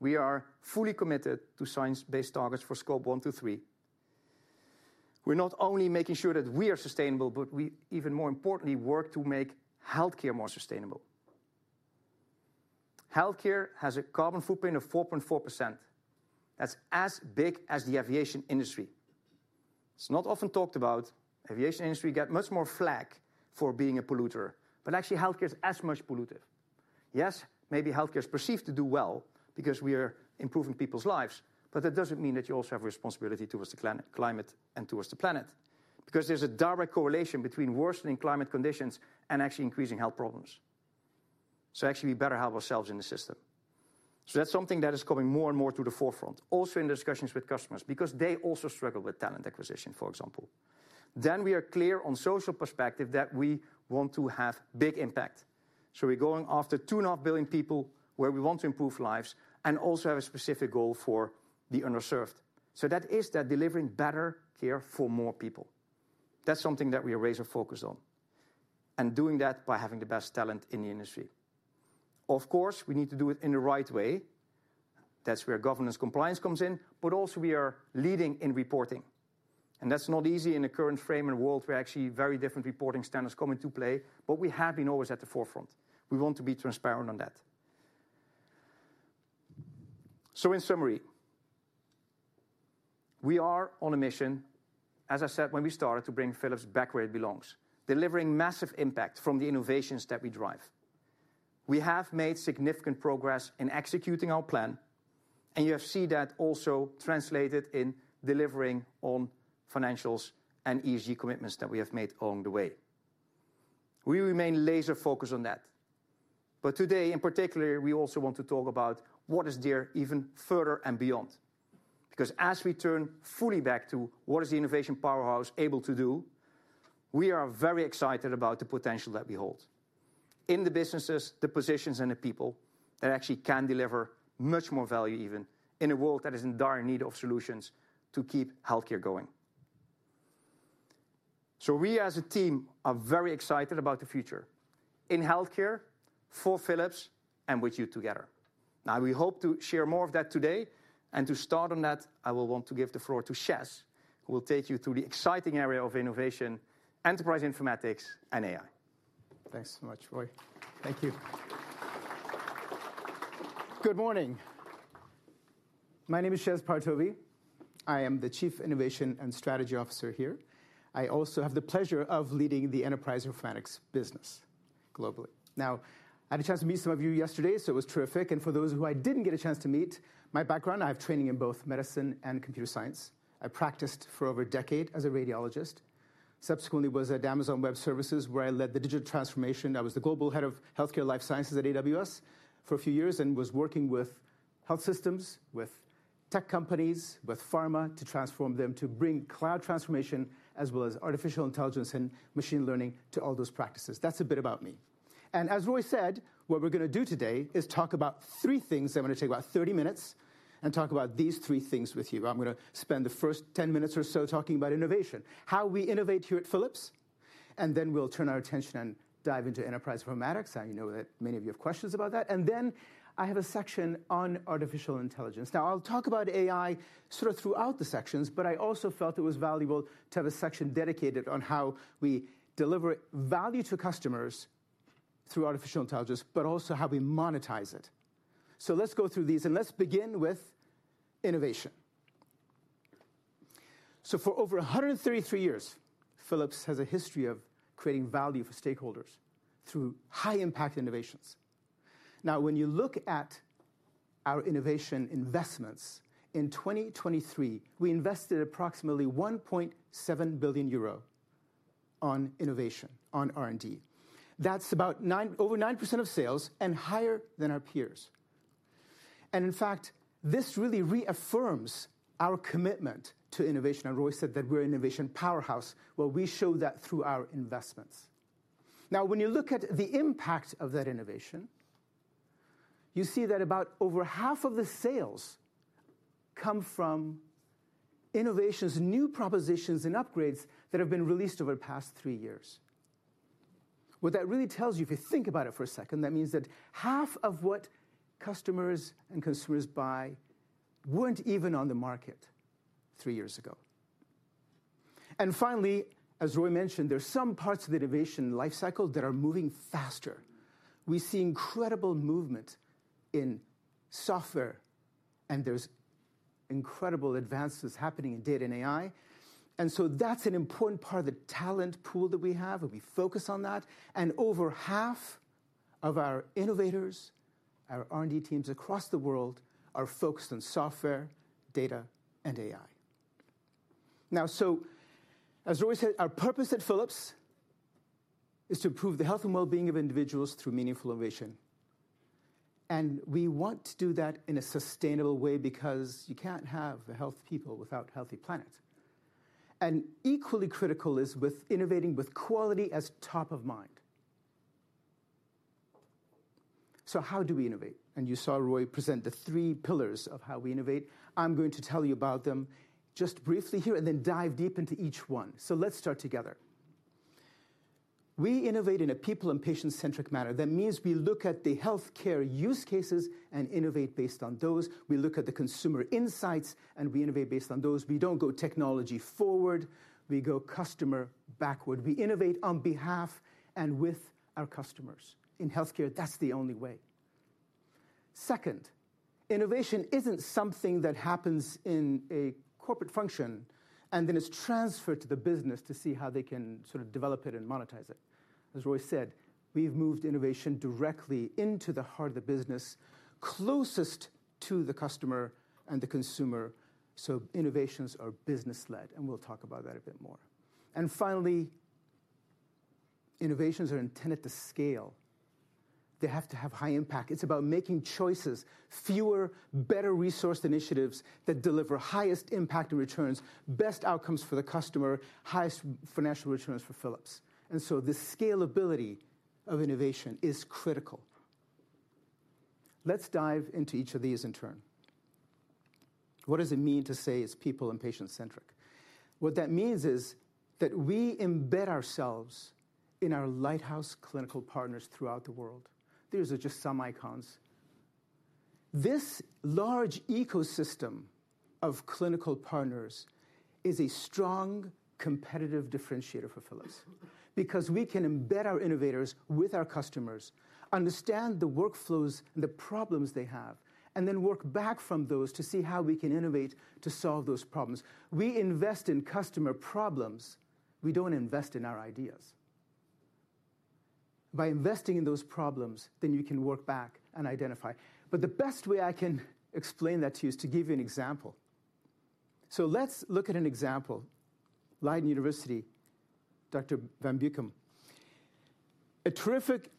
We are fully committed to science-based targets for Scope 1 to 3. We're not only making sure that we are sustainable, but we even more importantly work to make healthcare more sustainable. Healthcare has a carbon footprint of 4.4%. That's as big as the aviation industry. It's not often talked about. Aviation industry get much more flak for being a polluter, but actually, healthcare is as much pollutive. Yes, maybe healthcare is perceived to do well because we are improving people's lives, but that doesn't mean that you also have a responsibility towards the climate and towards the planet. Because there's a direct correlation between worsening climate conditions and actually increasing health problems. So actually, we better help ourselves in the system. So that's something that is coming more and more to the forefront, also in discussions with customers, because they also struggle with talent acquisition, for example. Then we are clear on social perspective that we want to have big impact. So we're going after 2.5 billion people where we want to improve lives and also have a specific goal for the underserved. So that is that delivering better care for more people. That's something that we are laser focused on, and doing that by having the best talent in the industry. Of course, we need to do it in the right way. That's where governance compliance comes in, but also we are leading in reporting, and that's not easy in the current frame and world, where actually very different reporting standards come into play, but we have been always at the forefront. We want to be transparent on that. In summary, we are on a mission, as I said when we started, to bring Philips back where it belongs, delivering massive impact from the innovations that we drive. We have made significant progress in executing our plan, and you have seen that also translated in delivering on financials and ESG commitments that we have made along the way. We remain laser focused on that, but today, in particular, we also want to talk about what is there even further and beyond. Because as we turn fully back to what is the innovation powerhouse able to do, we are very excited about the potential that we hold. In the businesses, the positions, and the people that actually can deliver much more value even, in a world that is in dire need of solutions to keep healthcare going. We as a team are very excited about the future in healthcare, for Philips, and with you together. Now, we hope to share more of that today, and to start on that, I will want to give the floor to Shez, who will take you through the exciting area of innovation, Enterprise Informatics, and AI. Thanks so much, Roy. Thank you. Good morning. My name is Shez Partovi. I am the Chief Innovation and Strategy Officer here. I also have the pleasure of leading the Enterprise Informatics business globally. Now, I had a chance to meet some of you yesterday, so it was terrific, and for those who I didn't get a chance to meet, my background. I have training in both medicine and computer science. I practiced for over a decade as a radiologist. Subsequently, was at Amazon Web Services, where I led the digital transformation. I was the Global Head of Healthcare Life Sciences at AWS for a few years and was working with health systems, with tech companies, with pharma, to transform them, to bring cloud transformation, as well as artificial intelligence and machine learning to all those practices. That's a bit about me. As Roy said, what we're gonna do today is talk about three things. I'm going to take about 30 minutes and talk about these three things with you. I'm gonna spend the first 10 minutes or so talking about innovation, how we innovate here at Philips, and then we'll turn our attention and dive into Enterprise Informatics. I know that many of you have questions about that. Then I have a section on artificial intelligence. Now, I'll talk about AI sort of throughout the sections, but I also felt it was valuable to have a section dedicated on how we deliver value to customers through artificial intelligence, but also how we monetize it. Let's go through these, and let's begin with innovation. For over 133 years, Philips has a history of creating value for stakeholders through high-impact innovations. Now, when you look at our innovation investments, in 2023, we invested approximately 1.7 billion euro on innovation, on R&D. That's about 9-- over 9% of sales and higher than our peers. And in fact, this really reaffirms our commitment to innovation. And Roy said that we're an innovation powerhouse, well, we show that through our investments. Now, when you look at the impact of that innovation, you see that about over half of the sales come from innovations, new propositions, and upgrades that have been released over the past three years. What that really tells you, if you think about it for a second, that means that half of what customers and consumers buy weren't even on the market three years ago. And finally, as Roy mentioned, there's some parts of the innovation life cycle that are moving faster. We see incredible movement in software, and there's incredible advances happening in data and AI, and so that's an important part of the talent pool that we have, and we focus on that. And over half of our innovators, our R&D teams across the world, are focused on software, data, and AI. Now, so as Roy said, our purpose at Philips is to improve the health and well-being of individuals through meaningful innovation. And we want to do that in a sustainable way because you can't have healthy people without a healthy planet. And equally critical is with innovating with quality as top of mind. So how do we innovate? And you saw Roy present the three pillars of how we innovate. I'm going to tell you about them just briefly here and then dive deep into each one. So let's start together. We innovate in a people and patient-centric manner. That means we look at the healthcare use cases and innovate based on those. We look at the consumer insights, and we innovate based on those. We don't go technology forward, we go customer backward. We innovate on behalf and with our customers. In healthcare, that's the only way. Second, innovation isn't something that happens in a corporate function and then is transferred to the business to see how they can sort of develop it and monetize it. As Roy said, we've moved innovation directly into the heart of the business, closest to the customer and the consumer, so innovations are business-led, and we'll talk about that a bit more. And finally, innovations are intended to scale. They have to have high impact. It's about making choices, fewer, better-resourced initiatives that deliver highest impact and returns, best outcomes for the customer, highest financial returns for Philips. And so the scalability of innovation is critical. Let's dive into each of these in turn. What does it mean to say it's people and patient-centric? What that means is that we embed ourselves in our lighthouse clinical partners throughout the world. These are just some icons. This large ecosystem of clinical partners is a strong competitive differentiator for Philips because we can embed our innovators with our customers, understand the workflows and the problems they have, and then work back from those to see how we can innovate to solve those problems. We invest in customer problems. We don't invest in our ideas. By investing in those problems, then you can work back and identify. But the best way I can explain that to you is to give you an example. So let's look at an example. Leiden University, Dr. van Buchem, a terrific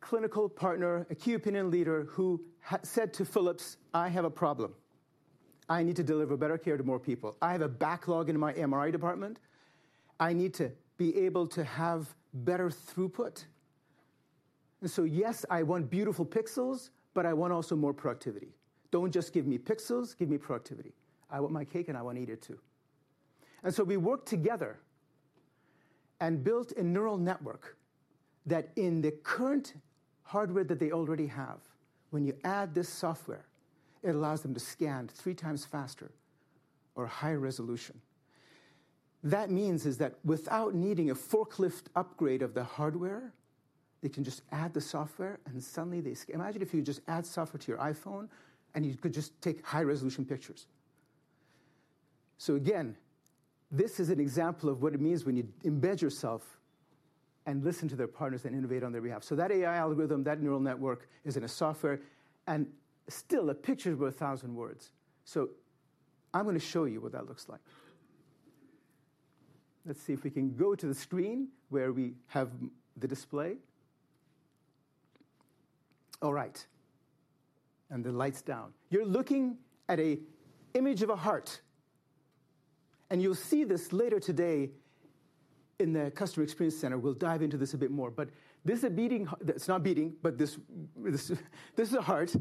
clinical partner, a key opinion leader, who said to Philips, "I have a problem. I need to deliver better care to more people. I have a backlog in my MRI department. I need to be able to have better throughput. And so, yes, I want beautiful pixels, but I want also more productivity. Don't just give me pixels, give me productivity. I want my cake, and I want to eat it, too." And so we worked together and built a neural network that in the current hardware that they already have, when you add this software, it allows them to scan 3x faster or higher resolution. That means is that without needing a forklift upgrade of the hardware, they can just add the software, and suddenly they scan. Imagine if you just add software to your iPhone, and you could just take high-resolution pictures. So again, this is an example of what it means when you embed yourself and listen to their partners and innovate on their behalf. So that AI algorithm, that neural network, is in a software, and still, a picture is worth a thousand words. So I'm gonna show you what that looks like. Let's see if we can go to the screen where we have the display. All right, and the lights down. You're looking at an image of a heart, and you'll see this later today in the Customer Experience Center. We'll dive into this a bit more, but this is a beating heart. It's not beating, but this, this is a heart.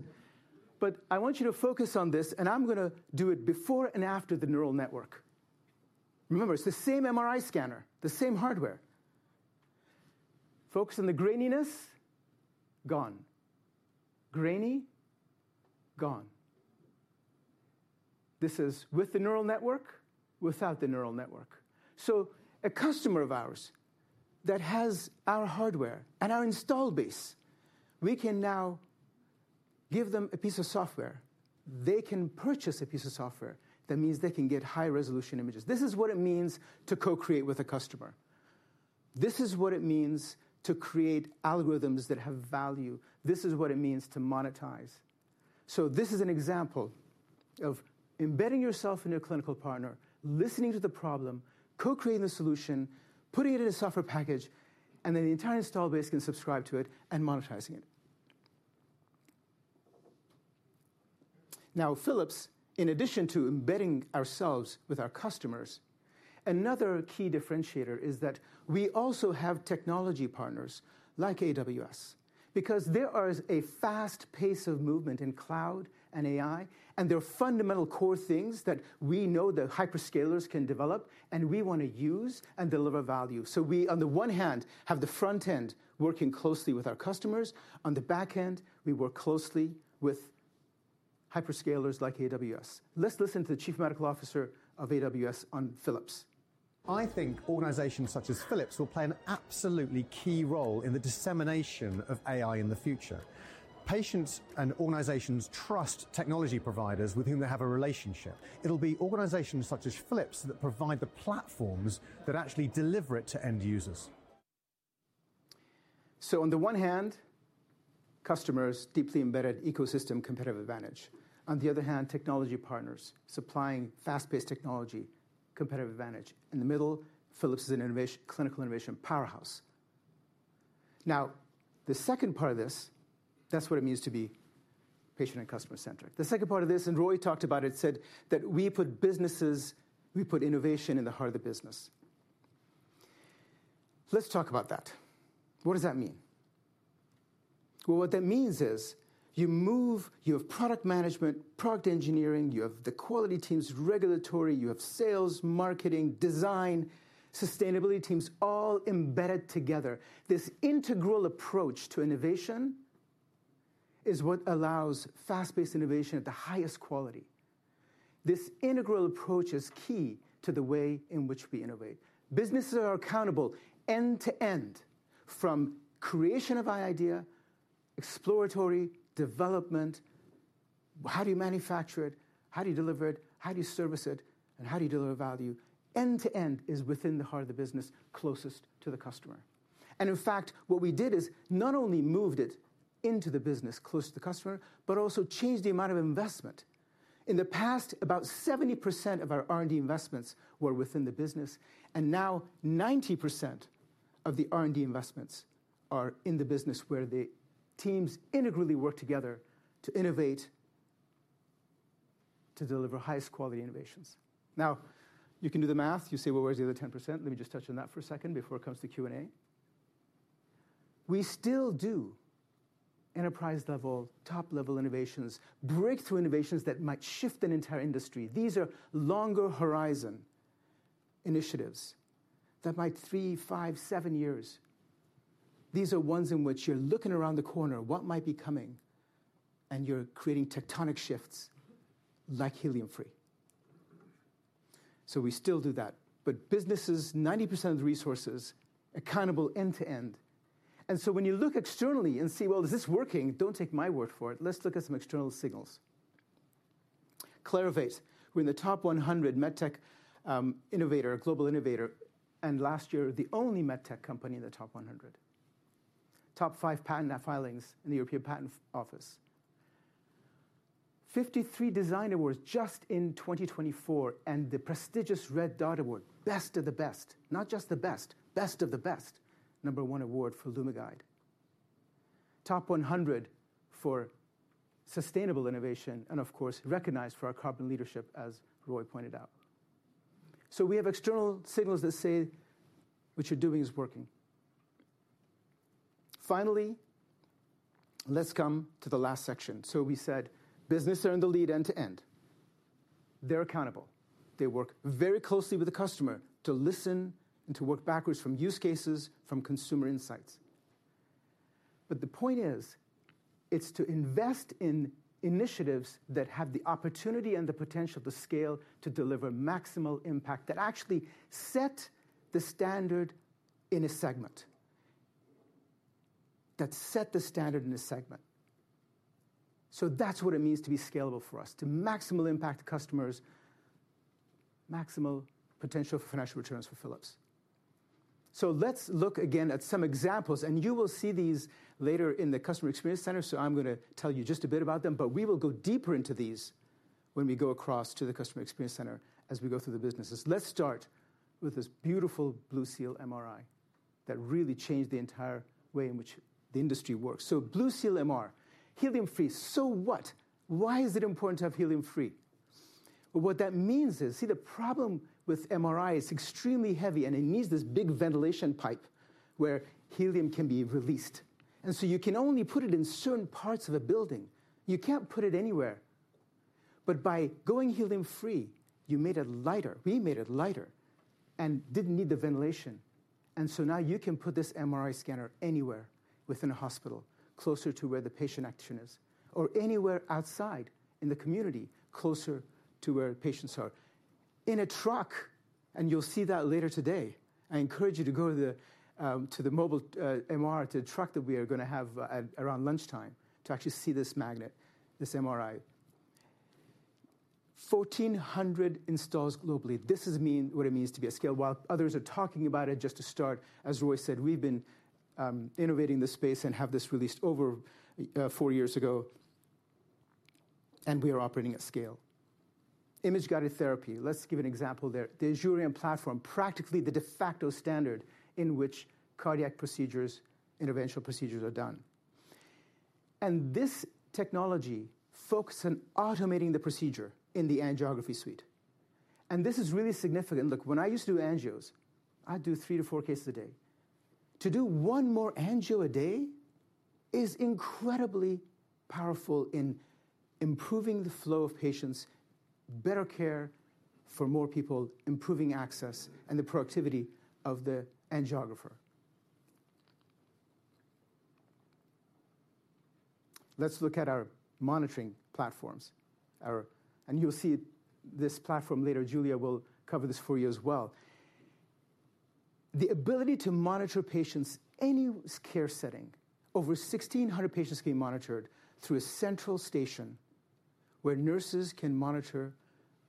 But I want you to focus on this, and I'm gonna do it before and after the neural network. Remember, it's the same MRI scanner, the same hardware. Focus on the graininess. Gone. Grainy, gone. This is with the neural network, without the neural network. So a customer of ours that has our hardware and our installed base, we can now give them a piece of software. They can purchase a piece of software that means they can get high-resolution images. This is what it means to co-create with a customer. This is what it means to create algorithms that have value. This is what it means to monetize. So this is an example of embedding yourself in your clinical partner, listening to the problem, co-creating the solution, putting it in a software package, and then the entire install base can subscribe to it and monetizing it. Now, Philips, in addition to embedding ourselves with our customers, another key differentiator is that we also have technology partners like AWS, because there is a fast pace of movement in cloud and AI, and there are fundamental core things that we know that hyperscalers can develop, and we want to use and deliver value. So we, on the one hand, have the front end working closely with our customers. On the back end, we work closely with hyperscalers like AWS. Let's listen to the Chief Medical Officer of AWS on Philips. I think organizations such as Philips will play an absolutely key role in the dissemination of AI in the future. Patients and organizations trust technology providers with whom they have a relationship. It'll be organizations such as Philips that provide the platforms that actually deliver it to end users. So on the one hand, customers, deeply embedded ecosystem, competitive advantage. On the other hand, technology partners, supplying fast-paced technology, competitive advantage. In the middle, Philips is an innovation-clinical innovation powerhouse. Now, the second part of this, that's what it means to be patient and customer-centric. The second part of this, and Roy talked about it, said that we put innovation in the heart of the business. Let's talk about that. What does that mean? Well, what that means is you move. You have product management, product engineering, you have the quality teams, regulatory, you have sales, marketing, design, sustainability teams, all embedded together. This integral approach to innovation is what allows fast-paced innovation at the highest quality. This integral approach is key to the way in which we innovate. Businesses are accountable end to end, from creation of an idea, exploratory, development, how do you manufacture it? How do you deliver it? How do you service it, and how do you deliver value? End to end is within the heart of the business, closest to the customer. And in fact, what we did is not only moved it into the business close to the customer, but also changed the amount of investment. In the past, about 70% of our R&D investments were within the business, and now 90% of the R&D investments are in the business, where the teams integrally work together to innovate, to deliver highest quality innovations. Now, you can do the math. You say, "Well, where's the other 10%?" Let me just touch on that for a second before it comes to Q&A. We still do enterprise-level, top-level innovations, breakthrough innovations that might shift an entire industry. These are longer-horizon initiatives that might three, five, seven years. These are ones in which you're looking around the corner, what might be coming, and you're creating tectonic shifts, like helium-free. So we still do that, but businesses, 90% of the resources, accountable end to end. And so when you look externally and see, well, is this working? Don't take my word for it. Let's look at some external signals. Clarivate, we're in the top 100 med tech innovator, global innovator, and last year, the only med tech company in the top 100. Top 5 patent filings in the European Patent Office. 53 design awards just in 2024, and the prestigious Red Dot Award, Best of the Best, not just the best, Best of the Best, number 1 award for LumiGuide. Top 100 for sustainable innovation, and of course, recognized for our carbon leadership, as Roy pointed out. So we have external signals that say what you're doing is working. Finally, let's come to the last section. So we said businesses are in the lead end to end. They're accountable. They work very closely with the customer to listen and to work backwards from use cases, from consumer insights. But the point is, it's to invest in initiatives that have the opportunity and the potential to scale, to deliver maximal impact, that actually set the standard in a segment. That set the standard in a segment. So that's what it means to be scalable for us, to maximal impact customers, maximal potential for financial returns for Philips. So let's look again at some examples, and you will see these later in the Customer Experience Center. I'm gonna tell you just a bit about them, but we will go deeper into these when we go across to the Customer Experience Center as we go through the businesses. Let's start with this beautiful BlueSeal MRI that really changed the entire way in which the industry works. BlueSeal MR, helium-free. What? Why is it important to have helium-free? What that means is, see, the problem with MRI, it's extremely heavy, and it needs this big ventilation pipe where helium can be released. So you can only put it in certain parts of a building. You can't put it anywhere. But by going helium-free, you made it lighter. We made it lighter and didn't need the ventilation. And so now you can put this MRI scanner anywhere within a hospital, closer to where the patient action is, or anywhere outside in the community, closer to where patients are. In a truck, and you'll see that later today. I encourage you to go to the to the mobile MR to the truck that we are gonna have at around lunchtime to actually see this magnet, this MRI. 1,400 installs globally. This is what it means to be at scale. While others are talking about it, just to start, as Roy said, we've been innovating this space and have this released over four years ago, and we are operating at scale Image Guided Therapy. Let's give an example there. The Azurion platform, practically the de facto standard in which cardiac procedures, interventional procedures are done. This technology focuses on automating the procedure in the angiography suite, and this is really significant. Look, when I used to do angios, I'd do three to four cases a day. To do one more angio a day is incredibly powerful in improving the flow of patients, better care for more people, improving access, and the productivity of the angiographer. Let's look at our Monitoring platforms. And you'll see this platform later. Julia will cover this for you as well. The ability to monitor patients, any care setting, over 1600 patients can be monitored through a central station, where nurses can monitor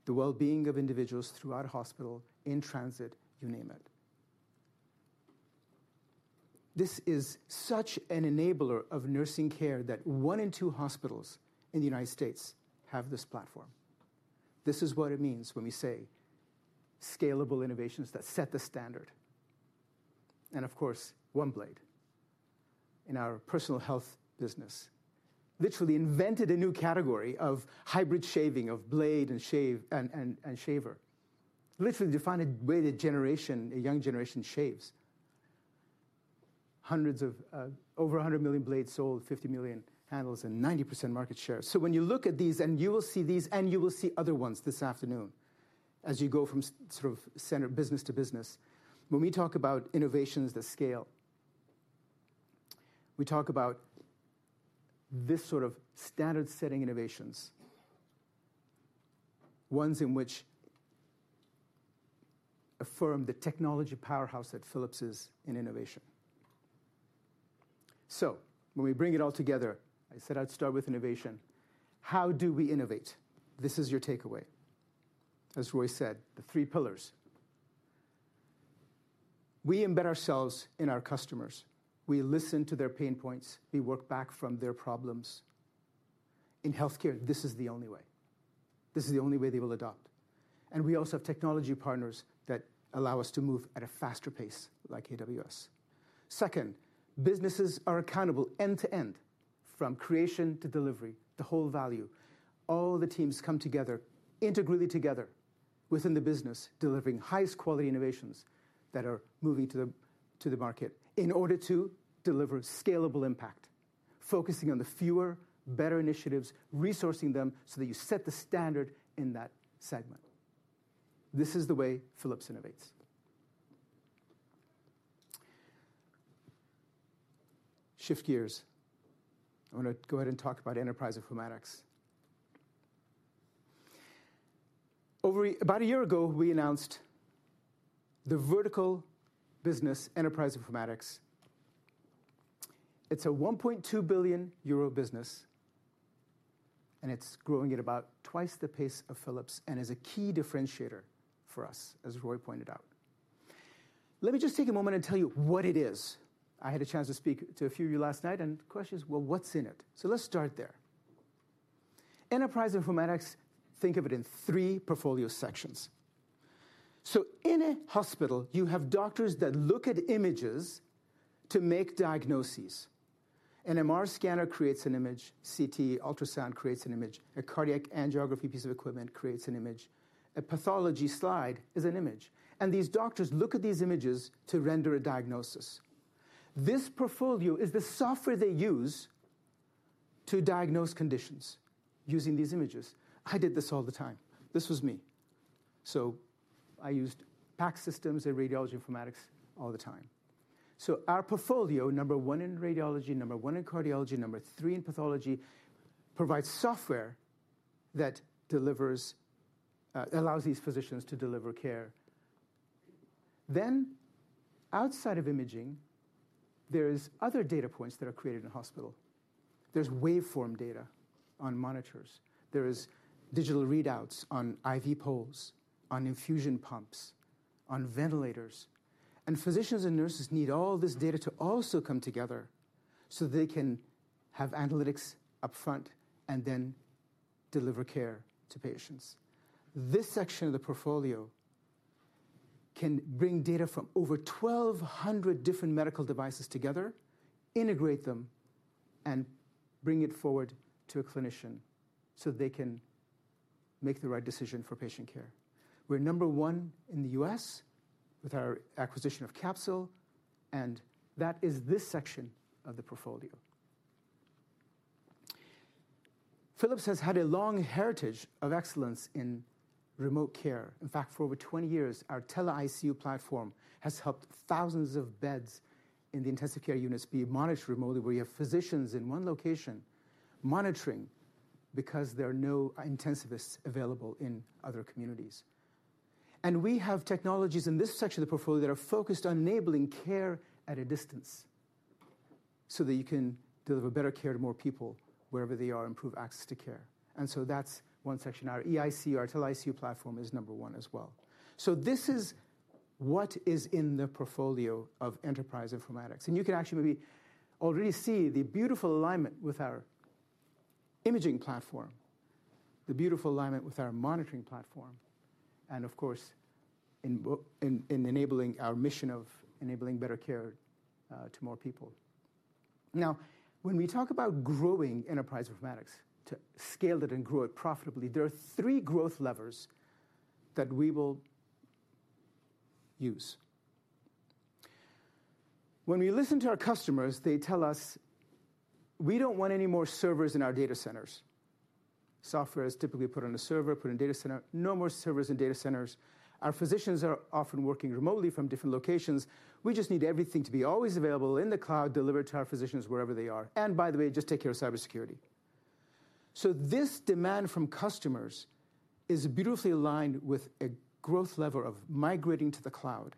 the well-being of individuals throughout a hospital, in transit, you name it. This is such an enabler of nursing care that one in two hospitals in the United States have this platform. This is what it means when we say scalable innovations that set the standard. And of course, OneBlade, in our Personal Health business, literally invented a new category of hybrid shaving, of blade and shave, and shaver. Literally defined the way the generation, a young generation shaves. Over 100 million blades sold, 50 million handles, and 90% market share. So when you look at these, and you will see these, and you will see other ones this afternoon as you go from sort of center business to business. When we talk about innovations that scale, we talk about this sort of standard-setting innovations, ones in which affirm the technology powerhouse that Philips is in innovation. So when we bring it all together, I said I'd start with innovation. How do we innovate? This is your takeaway. As Roy said, the three pillars. We embed ourselves in our customers. We listen to their pain points, we work back from their problems. In healthcare, this is the only way. This is the only way they will adopt. And we also have technology partners that allow us to move at a faster pace, like AWS. Second, businesses are accountable end to end, from creation to delivery, the whole value. All the teams come together, integrally together, within the business, delivering highest quality innovations that are moving to the market in order to deliver scalable impact. Focusing on the fewer, better initiatives, resourcing them so that you set the standard in that segment. This is the way Philips innovates. Shift gears. I'm gonna go ahead and talk about Enterprise Informatics. About a year ago, we announced the vertical business, Enterprise Informatics. It's a 1.2 billion euro business, and it's growing at about twice the pace of Philips and is a key differentiator for us, as Roy pointed out. Let me just take a moment and tell you what it is. I had a chance to speak to a few of you last night, and the question is: Well, what's in it? So let's start there. Enterprise Informatics, think of it in three portfolio sections. So in a hospital, you have doctors that look at images to make diagnoses. An MR scanner creates an image, CT, Ultrasound creates an image. A cardiac angiography piece of equipment creates an image. A pathology slide is an image, and these doctors look at these images to render a diagnosis. This portfolio is the software they use to diagnose conditions using these images. I did this all the time. This was me. So I used PACS and radiology informatics all the time. So our portfolio, number one in radiology, number one in cardiology, number three in pathology, provides software that delivers, allows these physicians to deliver care. Then, outside of imaging, there is other data points that are created in a hospital. There's waveform data on monitors. There is digital readouts on IV poles, on infusion pumps, on ventilators, and physicians and nurses need all this data to also come together so they can have analytics upfront and then deliver care to patients. This section of the portfolio can bring data from over 1,200 different medical devices together, integrate them, and bring it forward to a clinician so they can make the right decision for patient care. We're number one in the U.S. with our acquisition of Capsule, and that is this section of the portfolio. Philips has had a long heritage of excellence in remote care. In fact, for over 20 years, our Tele-ICU platform has helped thousands of beds in the intensive care units be monitored remotely, where you have physicians in one location monitoring because there are no intensivists available in other communities. And we have technologies in this section of the portfolio that are focused on enabling care at a distance so that you can deliver better care to more people wherever they are, and improve access to care. And so that's one section. Our eICU, our Tele-ICU platform, is number one as well. So this is what is in the portfolio of Enterprise Informatics? And you can actually maybe already see the beautiful alignment with our imaging platform, the beautiful alignment with our Monitoring platform, and of course, in enabling our mission of enabling better care to more people. Now, when we talk about growing Enterprise Informatics, to scale it and grow it profitably, there are three growth levers that we will use. When we listen to our customers, they tell us, "We don't want any more servers in our data centers." Software is typically put on a server, put in a data center. No more servers in data centers. Our physicians are often working remotely from different locations. We just need everything to be always available in the cloud, delivered to our physicians wherever they are. And by the way, just take care of cybersecurity. This demand from customers is beautifully aligned with a growth lever of migrating to the cloud,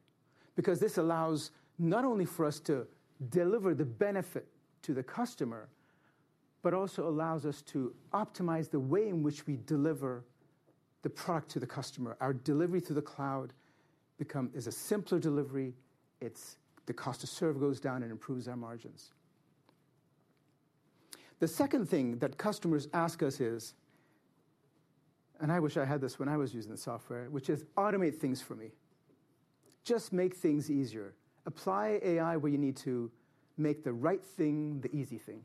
because this allows not only for us to deliver the benefit to the customer, but also allows us to optimize the way in which we deliver the product to the customer. Our delivery to the cloud is a simpler delivery. It's, the cost to serve goes down and improves our margins. The second thing that customers ask us is, and I wish I had this when I was using the software, which is: automate things for me. Just make things easier. Apply AI where you need to make the right thing the easy thing.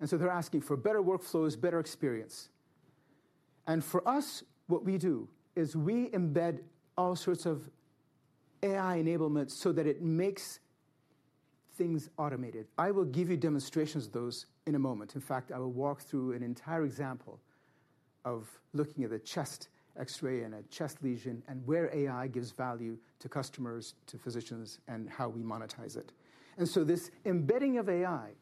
And so they're asking for better workflows, better experience, and for us, what we do is we embed all sorts of AI enablement so that it makes things automated. I will give you demonstrations of those in a moment. In fact, I will walk through an entire example of looking at a chest X-ray and a chest lesion, and where AI gives value to customers, to physicians, and how we monetize it. And so this embedding of AI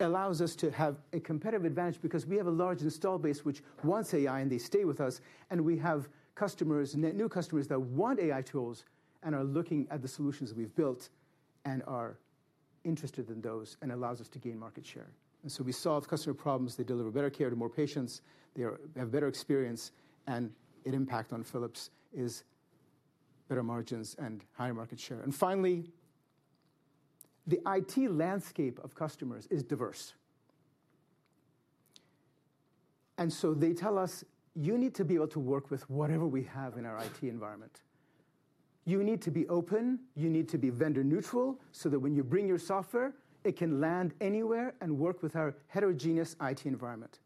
allows us to have a competitive advantage because we have a large install base which wants AI, and they stay with us, and we have customers, new customers, that want AI tools and are looking at the solutions we've built and are interested in those, and allows us to gain market share. And so we solve customer problems. They deliver better care to more patients. They are, have better experience, and an impact on Philips is better margins and higher market share. And finally, the IT landscape of customers is diverse. And so they tell us, "You need to be able to work with whatever we have in our IT environment. You need to be open. You need to be vendor-neutral, so that when you bring your software, it can land anywhere and work with our heterogeneous IT environment."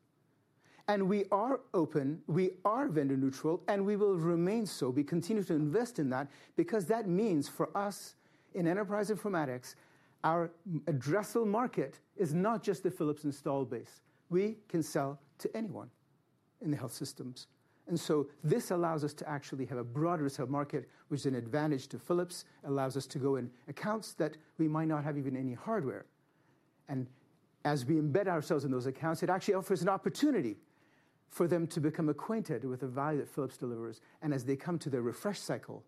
And we are open, we are vendor-neutral, and we will remain so. We continue to invest in that because that means, for us in Enterprise Informatics, our addressable market is not just the Philips install base. We can sell to anyone in the health systems. And so this allows us to actually have a broader sell market, which is an advantage to Philips. It allows us to go in accounts that we might not have even any hardware. And as we embed ourselves in those accounts, it actually offers an opportunity for them to become acquainted with the value that Philips delivers. And as they come to their refresh cycle,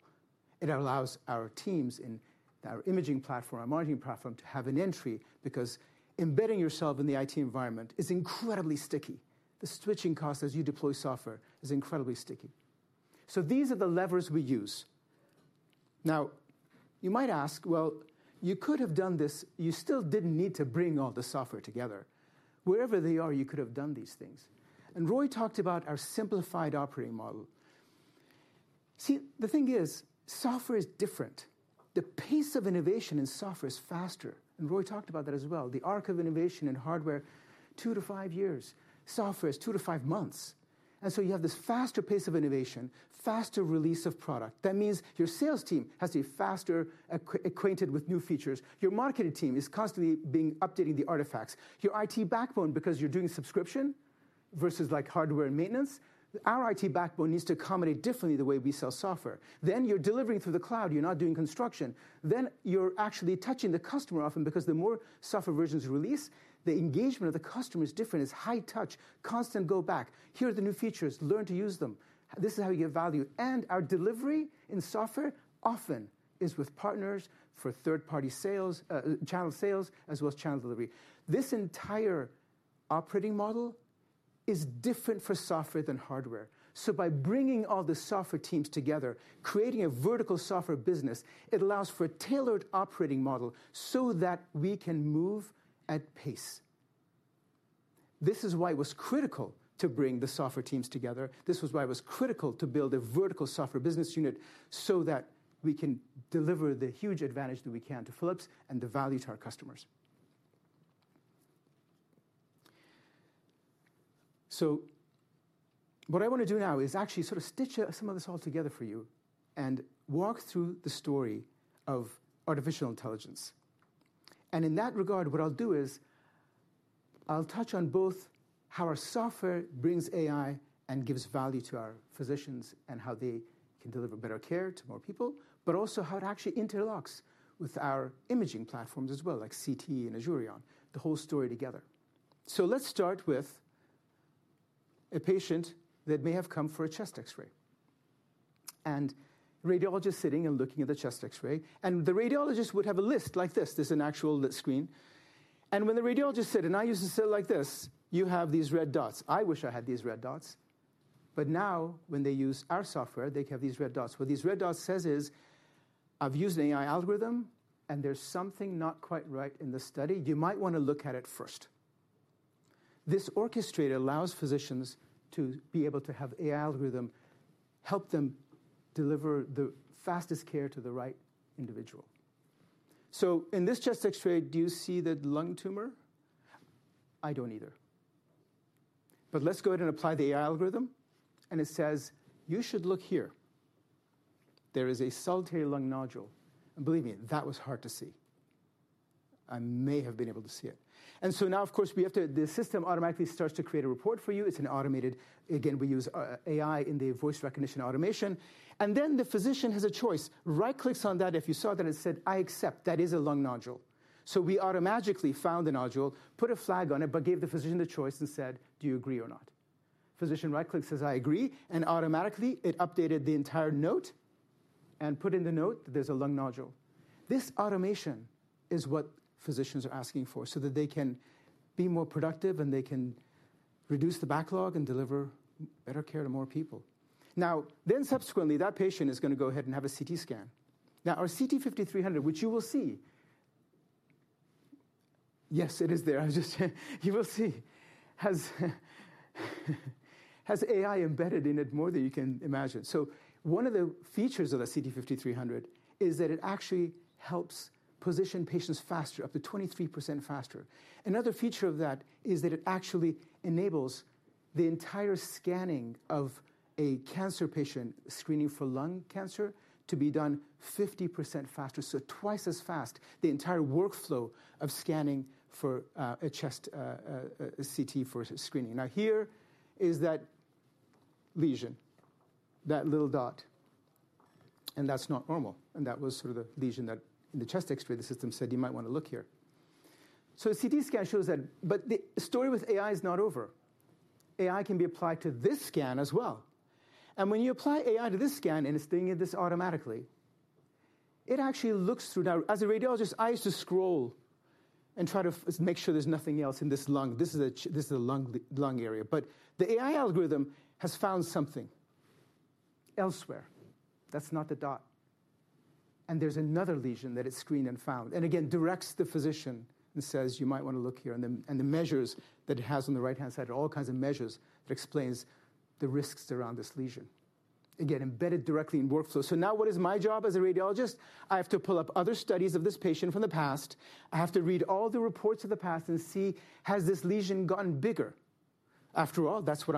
it allows our teams in our imaging platform, our marketing platform, to have an entry, because embedding yourself in the IT environment is incredibly sticky. The switching cost as you deploy software is incredibly sticky. So these are the levers we use. Now, you might ask, "Well, you could have done this. You still didn't need to bring all the software together. Wherever they are, you could have done these things." And Roy talked about our simplified operating model. See, the thing is, software is different. The pace of innovation in software is faster, and Roy talked about that as well. The arc of innovation in hardware, two to five years. Software is two to five months. And so you have this faster pace of innovation, faster release of product. That means your sales team has to be faster acquainted with new features. Your marketing team is constantly being updating the artifacts. Your IT backbone, because you're doing subscription versus, like, hardware and maintenance, our IT backbone needs to accommodate differently the way we sell software. Then you're delivering through the cloud. You're not doing construction. Then you're actually touching the customer often, because the more software versions release, the engagement of the customer is different. It's high touch, constant go back. "Here are the new features. Learn to use them. This is how you get value." And our delivery in software often is with partners for third-party sales, channel sales, as well as channel delivery. This entire operating model is different for software than hardware. So by bringing all the software teams together, creating a vertical software business, it allows for a tailored operating model so that we can move at pace. This is why it was critical to bring the software teams together. This was why it was critical to build a vertical software business unit, so that we can deliver the huge advantage that we can to Philips and the value to our customers. So what I want to do now is actually sort of stitch some of this all together for you and walk through the story of artificial intelligence. In that regard, what I'll do is I'll touch on both how our software brings AI and gives value to our physicians and how they can deliver better care to more people, but also how it actually interlocks with our imaging platforms as well, like CT and Azurion, the whole story together. Let's start with a patient that may have come for a chest X-ray, and radiologist sitting and looking at the chest X-ray, and the radiologist would have a list like this. This is an actual list screen. When the radiologist said, and I used to say it like this, "You have these red dots." I wish I had these red dots. But now, when they use our software, they have these red dots. What these red dots says is, "I've used an AI algorithm, and there's something not quite right in the study. You might wanna look at it first." This orchestrator allows physicians to be able to have AI algorithm help them deliver the fastest care to the right individual. So in this chest X-ray, do you see the lung tumor? I don't either. But let's go ahead and apply the AI algorithm, and it says, "You should look here. There is a solitary lung nodule." And believe me, that was hard to see. I may have been able to see it. And so now, of course, we have to, the system automatically starts to create a report for you. It's an automated. Again, we use AI in the voice recognition automation, and then the physician has a choice. Right-clicks on that, if you saw that, it said, "I accept. That is a lung nodule." So we automatically found the nodule, put a flag on it, but gave the physician the choice and said, "Do you agree or not?" Physician right-clicks, says, "I agree," and automatically, it updated the entire note and put in the note that there's a lung nodule. This automation is what physicians are asking for, so that they can be more productive, and they can reduce the backlog and deliver better care to more people. Now, then subsequently, that patient is gonna go ahead and have a CT scan. Now, our CT 5300, which you will see. Yes, it is there, has AI embedded in it more than you can imagine. So one of the features of the CT 5300 is that it actually helps position patients faster, up to 23% faster. Another feature of that is that it actually enables the entire scanning of a cancer patient screening for lung cancer to be done 50% faster, so twice as fast, the entire workflow of scanning for a chest CT for screening. Now, here is that lesion, that little dot, and that's not normal, and that was sort of the lesion that in the chest X-ray, the system said, "You might wanna look here," so a CT scan shows that, but the story with AI is not over. AI can be applied to this scan as well, and when you apply AI to this scan, and it's doing this automatically, it actually looks through. Now, as a radiologist, I used to scroll and try to make sure there's nothing else in this lung. This is a lung area, but the AI algorithm has found something elsewhere. That's not the dot. And there's another lesion that it screened and found, and again, directs the physician and says, "You might wanna look here." And the measures that it has on the right-hand side are all kinds of measures that explains the risks around this lesion, again, embedded directly in workflow. So now what is my job as a radiologist? I have to pull up other studies of this patient from the past. I have to read all the reports of the past and see, has this lesion gotten bigger? After all, that's what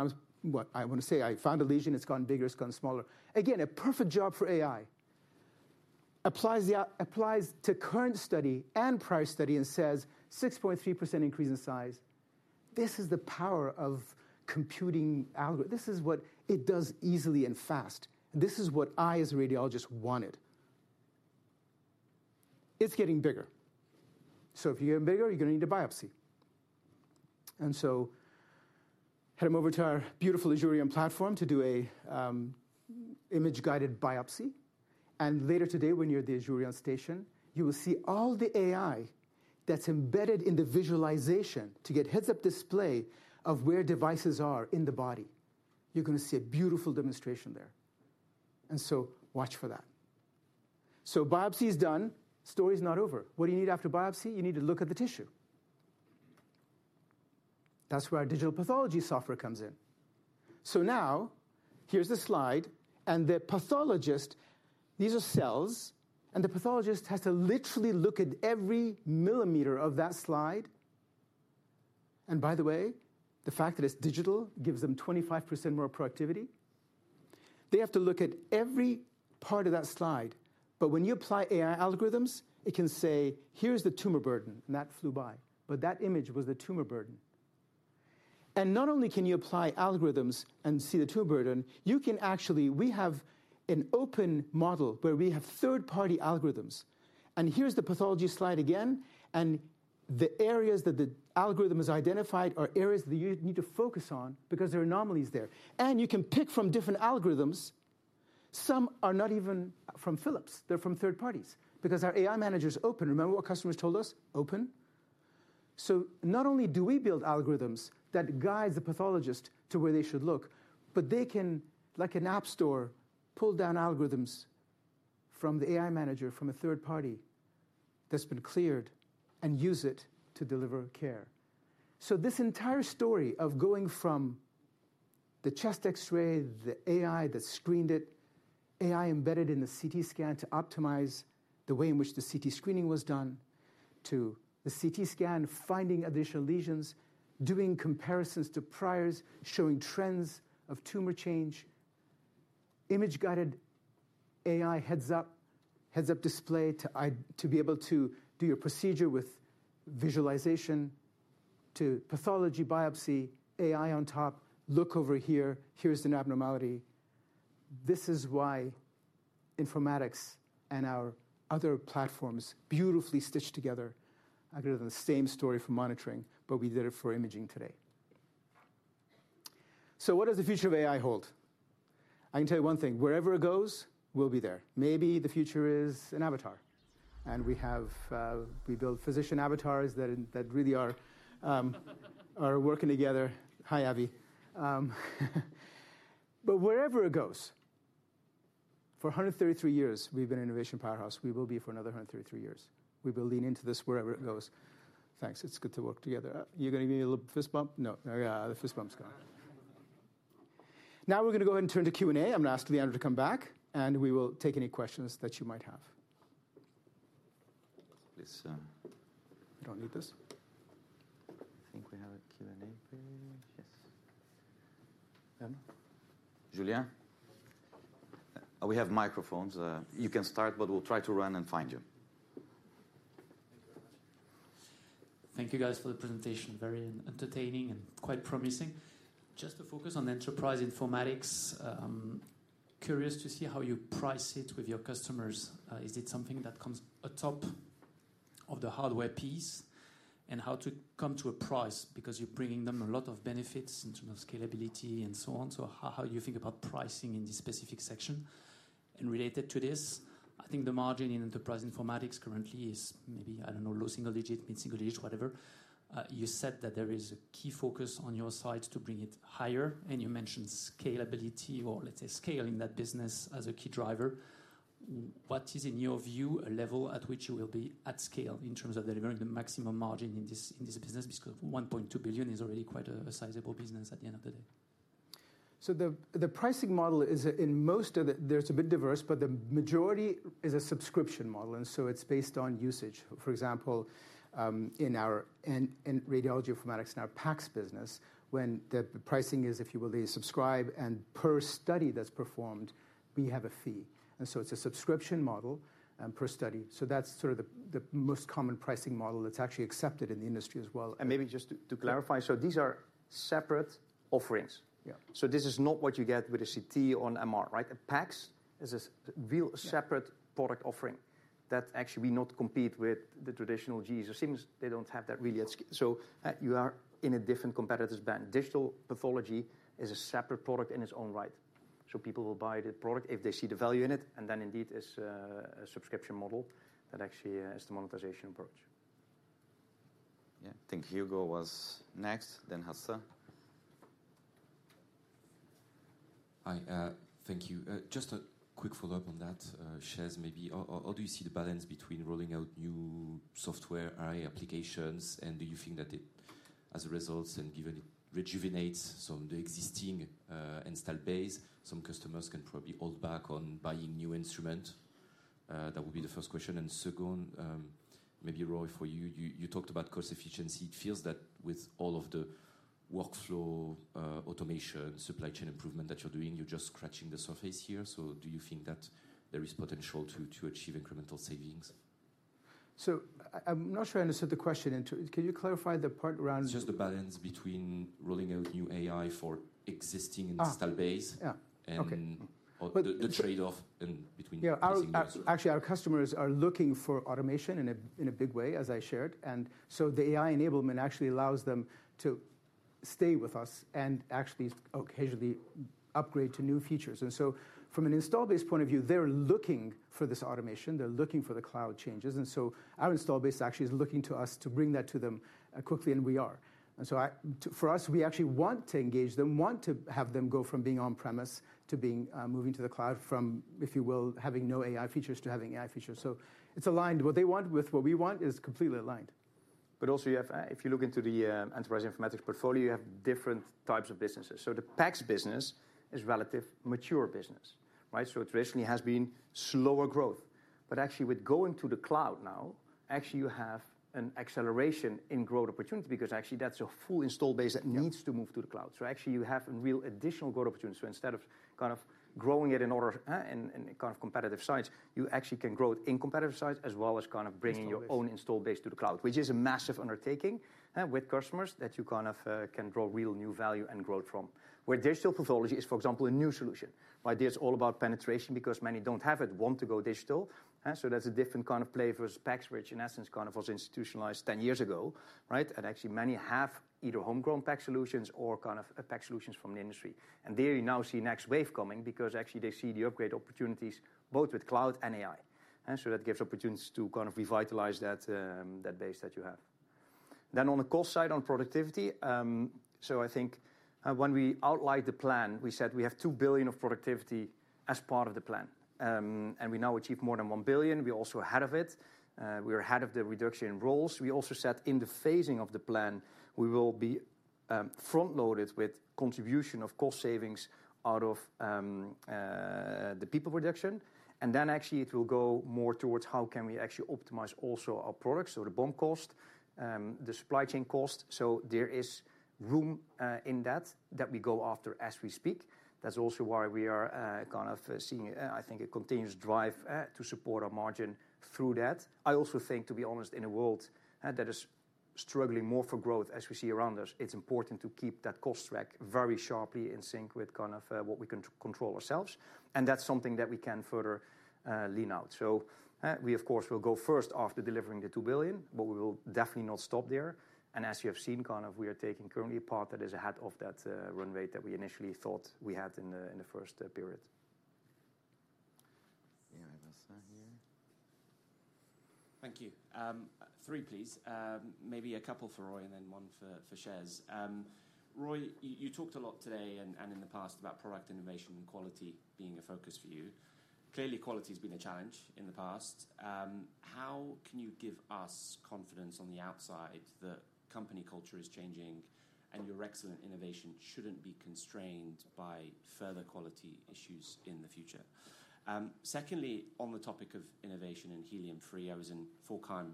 I want to say. I found a lesion. It's gotten bigger, it's gotten smaller. Again, a perfect job for AI. Applies to current study and prior study and says, "6.3% increase in size." This is the power of computing algorithm. This is what it does easily and fast, and this is what I, as a radiologist, wanted. It's getting bigger. So if you're getting bigger, you're gonna need a biopsy. And so head over to our beautiful Azurion platform to do a image-guided biopsy, and later today, when you're at the Azurion station, you will see all the AI that's embedded in the visualization to get heads-up display of where devices are in the body. You're gonna see a beautiful demonstration there, and so watch for that. So biopsy is done. Story's not over. What do you need after biopsy? You need to look at the tissue. That's where our digital pathology software comes in. So now, here's the slide, and the pathologist, these are cells, and the pathologist has to literally look at every millimeter of that slide. And by the way, the fact that it's digital gives them 25% more productivity. They have to look at every part of that slide. But when you apply AI algorithms, it can say, "Here's the tumor burden," and that flew by, but that image was the tumor burden. And not only can you apply algorithms and see the tumor burden, you can actually, we have an open model where we have third-party algorithms, and here's the pathology slide again, and the areas that the algorithm has identified are areas that you need to focus on because there are anomalies there. And you can pick from different algorithms. Some are not even from Philips. They're from third parties because our AI Manager is open. Remember what customers told us? Open. So not only do we build algorithms that guide the pathologist to where they should look, but they can, like an app store, pull down algorithms from the AI Manager, from a third party that's been cleared, and use it to deliver care. So this entire story of going from the chest X-ray, the AI that screened it, AI embedded in the CT scan to optimize the way in which the CT screening was done, to the CT scan, finding additional lesions, doing comparisons to priors, showing trends of tumor change, image-guided AI heads-up display, to be able to do your procedure with visualization, to pathology biopsy, AI on top, look over here, here's an abnormality. This is why informatics and our other platforms beautifully stitch together. I could have the same story for monitoring, but we did it for imaging today. So what does the future of AI hold? I can tell you one thing: wherever it goes, we'll be there. Maybe the future is an avatar, and we have, we build physician avatars that really are working together. Hi, Abby. But wherever it goes, for 133 years, we've been an innovation powerhouse. We will be for another 133 years. We will lean into this wherever it goes. Thanks. It's good to work together. You're gonna give me a little fist bump? No. Yeah, the fist bump's gone. Now we're gonna go ahead and turn to Q&A. I'm gonna ask Leandro to come back, and we will take any questions that you might have. Please-- You don't need this. I think we have a Q&A page. Yeah. Julien? We have microphones. You can start, but we'll try to run and find you. Thank you very much. Thank you guys for the presentation. Very entertaining and quite promising. Just to focus on Enterprise Informatics, curious to see how you price it with your customers. Is it something that comes atop of the hardware piece? And how to come to a price, because you're bringing them a lot of benefits in terms of scalability and so on. So how you think about pricing in this specific section? And related to this, I think the margin in Enterprise Informatics currently is maybe, I don't know, low single digit, mid single digit, whatever. You said that there is a key focus on your side to bring it higher, and you mentioned scalability or, let's say, scaling that business as a key driver. What is, in your view, a level at which you will be at scale in terms of delivering the maximum margin in this business? Because 1.2 billion is already quite a sizable business at the end of the day. So the pricing model is, in most of it, diverse, but the majority is a subscription model, and so it's based on usage. For example, in our radiology informatics, in our PACS business, when the pricing is, if you will, the subscription and per study that's performed, we have a fee. And so it's a subscription model and per study. So that's sort of the most common pricing model that's actually accepted in the industry as well. And maybe just to clarify, so these are separate offerings? So this is not what you get with a CT or an MR, right? A PACS is a real separate product offering, that actually we do not compete with the traditional GE or Siemens. They don't have that really. Yeah, so you are in a different competitor's band. Digital pathology is a separate product in its own right, so people will buy the product if they see the value in it, and then indeed, it's a subscription model that actually is the monetization approach. Yeah. I think Hugo was next, then Hassan. Hi, thank you. Just a quick follow-up on that, Shez, maybe. How do you see the balance between rolling out new software AI applications, and do you think that it, as a result, and given it rejuvenates some of the existing install base, some customers can probably hold back on buying new instrument? That would be the first question. And second, maybe, Roy, for you, you talked about cost efficiency. It feels that with all of the workflow automation, supply chain improvement that you're doing, you're just scratching the surface here. So do you think that there is potential to achieve incremental savings? I'm not sure I understood the question. Can you clarify the part around-- Just the balance between rolling out new AI for existing installed base-- Ah, yeah. Okay. Or the trade-off in between using those-- Yeah. Actually, our customers are looking for automation in a big way, as I shared, and so the AI enablement actually allows them to stay with us and actually occasionally upgrade to new features. And so from an install base point of view, they're looking for this automation, they're looking for the cloud changes, and so our install base actually is looking to us to bring that to them quickly, and we are. For us, we actually want to engage them, want to have them go from being on-premise to being moving to the cloud, if you will, from having no AI features to having AI features. So it's aligned. What they want with what we want is completely aligned. But also, you have, if you look into the Enterprise Informatics portfolio, you have different types of businesses. So the PACS business is relatively mature business, right? So traditionally, it has been slower growth. But actually, with going to the cloud now, actually you have an acceleration in growth opportunities, because actually that's a full installed base that needs to move to the cloud. So actually, you have a real additional growth opportunity. So instead of kind of growing it in order, in kind of competitive sites, you actually can grow it in competitive sites, as well as kind of bringing your own install base to the cloud, which is a massive undertaking, with customers that you kind of can draw real new value and growth from. Where Digital Pathology is, for example, a new solution. It is all about penetration because many don't have it, want to go digital. So that's a different kind of play versus PACS, which in essence, kind of was institutionalized ten years ago, right? And actually, many have either homegrown PACS solutions or kind of a PACS solutions from the industry. And there, you now see next wave coming because actually they see the upgrade opportunities both with cloud and AI. So that gives opportunities to kind of revitalize that, that base that you have. Then, on the cost side, on productivity, so I think when we outlined the plan, we said we have 2 billion of productivity as part of the plan. And we now achieve more than 1 billion. We're also ahead of it. We're ahead of the reduction in roles. We also said in the phasing of the plan, we will be front-loaded with contribution of cost savings out of the people reduction. And then actually it will go more towards how can we actually optimize also our products, so the BOM cost, the supply chain cost. So there is room in that that we go after as we speak. That's also why we are kind of seeing, I think, a continuous drive to support our margin through that. I also think, to be honest, in a world that is struggling more for growth, as we see around us, it's important to keep that cost track very sharply in sync with kind of what we can control ourselves, and that's something that we can further lean out, so we of course will go first after delivering the 2 billion, but we will definitely not stop there, and as you have seen, kind of, we are taking currently a path that is ahead of that run rate that we initially thought we had in the first period. Thank you. Three, please. Maybe a couple for Roy and then one for Shez. Roy, you talked a lot today and in the past about product innovation and quality being a focus for you. Clearly, quality's been a challenge in the past. How can you give us confidence on the outside that company culture is changing, and your excellent innovation shouldn't be constrained by further quality issues in the future? Secondly, on the topic of innovation and helium-free, I was in Forchheim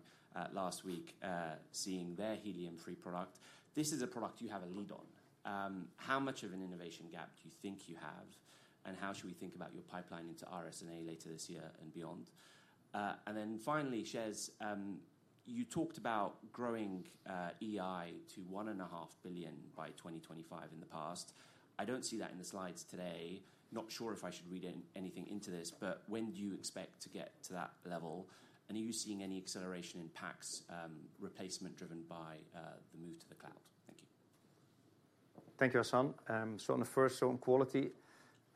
last week seeing their helium-free product. This is a product you have a lead on. How much of an innovation gap do you think you have, and how should we think about your pipeline into RSNA later this year and beyond? And then finally, Shez, you talked about growing EI to 1.5 billion by 2025 in the past. I don't see that in the slides today. Not sure if I should read anything into this, but when do you expect to get to that level? And are you seeing any acceleration in PACS replacement driven by the move to the cloud? Thank you. Thank you, Hassan. So on the first, so on quality,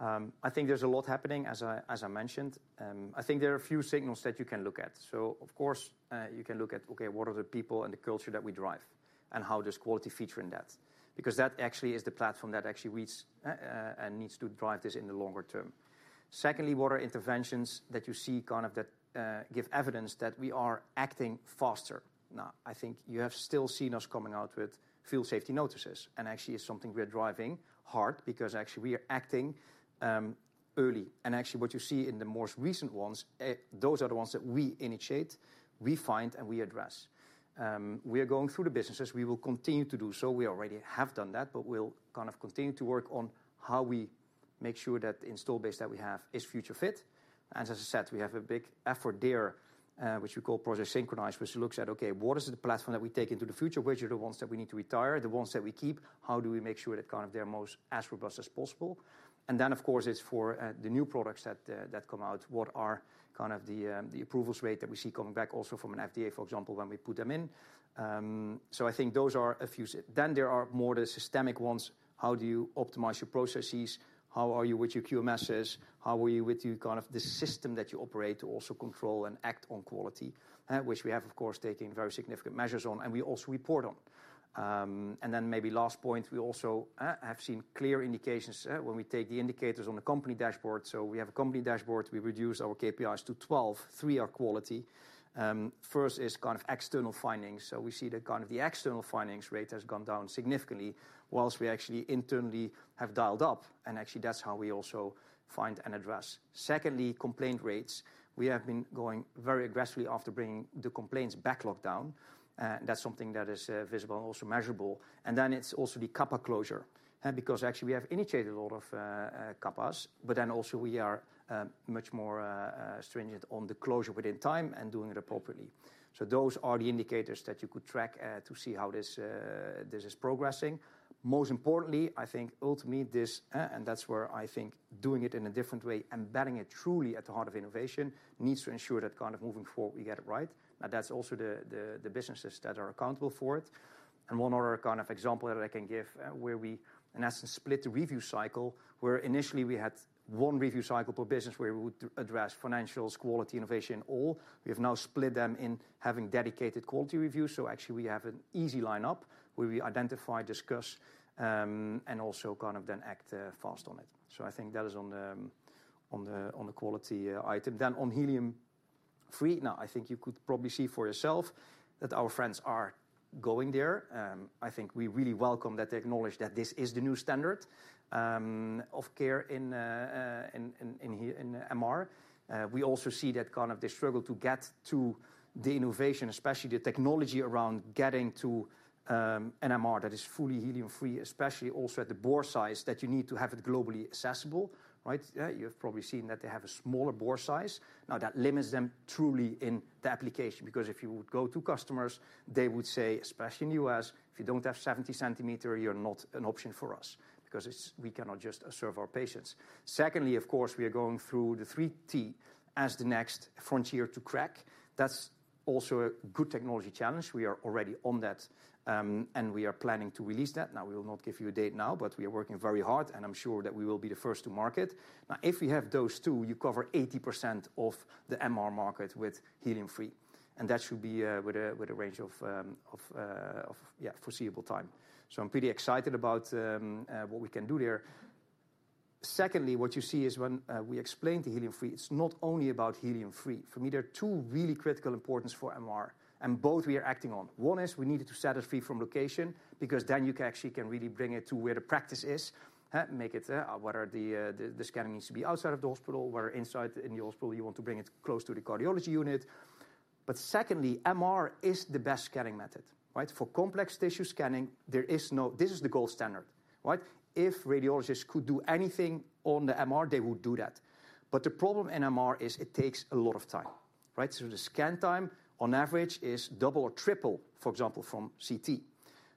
I think there's a lot happening, as I mentioned. I think there are a few signals that you can look at. So of course, you can look at, okay, what are the people and the culture that we drive, and how does quality feature in that? Because that actually is the platform that actually leads, and needs to drive this in the longer term. Secondly, what are interventions that you see, kind of, that, give evidence that we are acting faster now? I think you have still seen us coming out with field safety notices, and actually it's something we are driving hard because actually we are acting early. And actually, what you see in the most recent ones, those are the ones that we initiate, we find, and we address. We are going through the businesses. We will continue to do so. We already have done that, but we'll kind of continue to work on how we make sure that the install base that we have is future fit. And as I said, we have a big effort there, which we call Project Synchronize, which looks at, okay, what is the platform that we take into the future? Which are the ones that we need to retire? The ones that we keep, how do we make sure that, kind of, they're most as robust as possible? And then, of course, it's for, the new products that come out. What are, kind of, the approvals rate that we see coming back also from an FDA, for example, when we put them in. I think those are a few. Then there are more the systemic ones. How do you optimize your processes? How are you with your QMSs? How are you with your, kind of, the system that you operate to also control and act on quality? Which we have, of course, taken very significant measures on, and we also report on. Then maybe last point, we also have seen clear indications when we take the indicators on the company dashboard. We have a company dashboard. We reduced our KPIs to 12, 3 are quality. First is, kind of, external findings. So we see that, kind of, the external findings rate has gone down significantly, whilst we actually internally have dialed up, and actually, that's how we also find and address. Secondly, complaint rates. We have been going very aggressively after bringing the complaints backlog down, that's something that is visible and also measurable. And then it's also the CAPA closure, because actually we have initiated a lot of CAPAs, but then also we are much more stringent on the closure within time and doing it appropriately. So those are the indicators that you could track to see how this is progressing. Most importantly, I think ultimately this, and that's where I think doing it in a different way, embedding it truly at the heart of innovation, needs to ensure that, kind of, moving forward, we get it right. Now, that's also the businesses that are accountable for it. And one other, kind of, example that I can give, where we in essence split the review cycle, where initially we had one review cycle per business, where we would address financials, quality, innovation, all. We have now split them in having dedicated quality reviews, so actually we have an easy line-up where we identify, discuss, and also, kind of, then act fast on it. So I think that is on the quality item. Then on helium-free. Now, I think you could probably see for yourself that our friends are going there. I think we really welcome that they acknowledge that this is the new standard of care in MR. We also see that, kind of, they struggle to get to the innovation, especially the technology around getting to an MR that is fully helium-free, especially also at the bore size, that you need to have it globally accessible, right? Yeah, you've probably seen that they have a smaller bore size. Now, that limits them truly in the application, because if you would go to customers, they would say, especially in U.S.: "If you don't have 70 centimeter, you're not an option for us because it's- we cannot just serve our patients." Secondly, of course, we are going through the 3T as the next frontier to crack. That's also a good technology challenge. We are already on that, and we are planning to release that. Now, we will not give you a date now, but we are working very hard, and I'm sure that we will be the first to market. Now, if we have those two, you cover 80% of the MR market with helium-free, and that should be with a range of foreseeable time. So I'm pretty excited about what we can do there. Secondly, what you see is when we explain the helium-free, it's not only about helium-free. For me, there are two really critical importance for MR, and both we are acting on. One is, we needed to set it free from location, because then you can actually really bring it to where the practice is, make it whether the scanning needs to be outside of the hospital, or inside in the hospital, you want to bring it close to the cardiology unit. But secondly, MR is the best scanning method, right? For complex tissue scanning, there is no. This is the gold standard, right? If radiologists could do anything on the MR, they would do that. But the problem in MR is it takes a lot of time, right? So the scan time, on average, is double or triple, for example, from CT.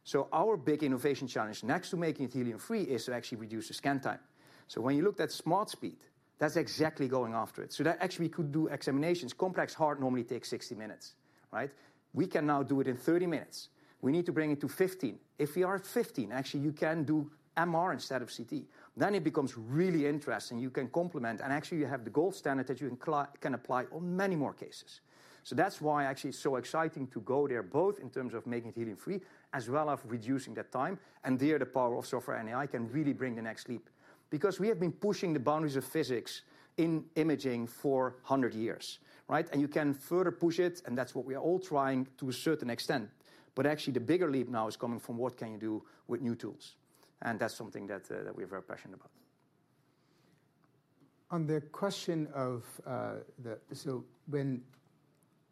So our big innovation challenge, next to making it helium-free, is to actually reduce the scan time. So when you looked at SmartSpeed, that's exactly going after it. So that actually could do examinations. Complex heart normally takes 60 minutes, right? We can now do it in 30 minutes. We need to bring it to 15. If we are at 15, actually, you can do MR instead of CT, then it becomes really interesting. You can complement, and actually you have the gold standard that you can apply on many more cases. So that's why actually it's so exciting to go there, both in terms of making it helium-free, as well as reducing the time, and there, the power of software and AI can really bring the next leap. Because we have been pushing the boundaries of physics in imaging for hundred years, right? And you can further push it, and that's what we are all trying to a certain extent. But actually, the bigger leap now is coming from what can you do with new tools, and that's something that we're very passionate about. On the question of so when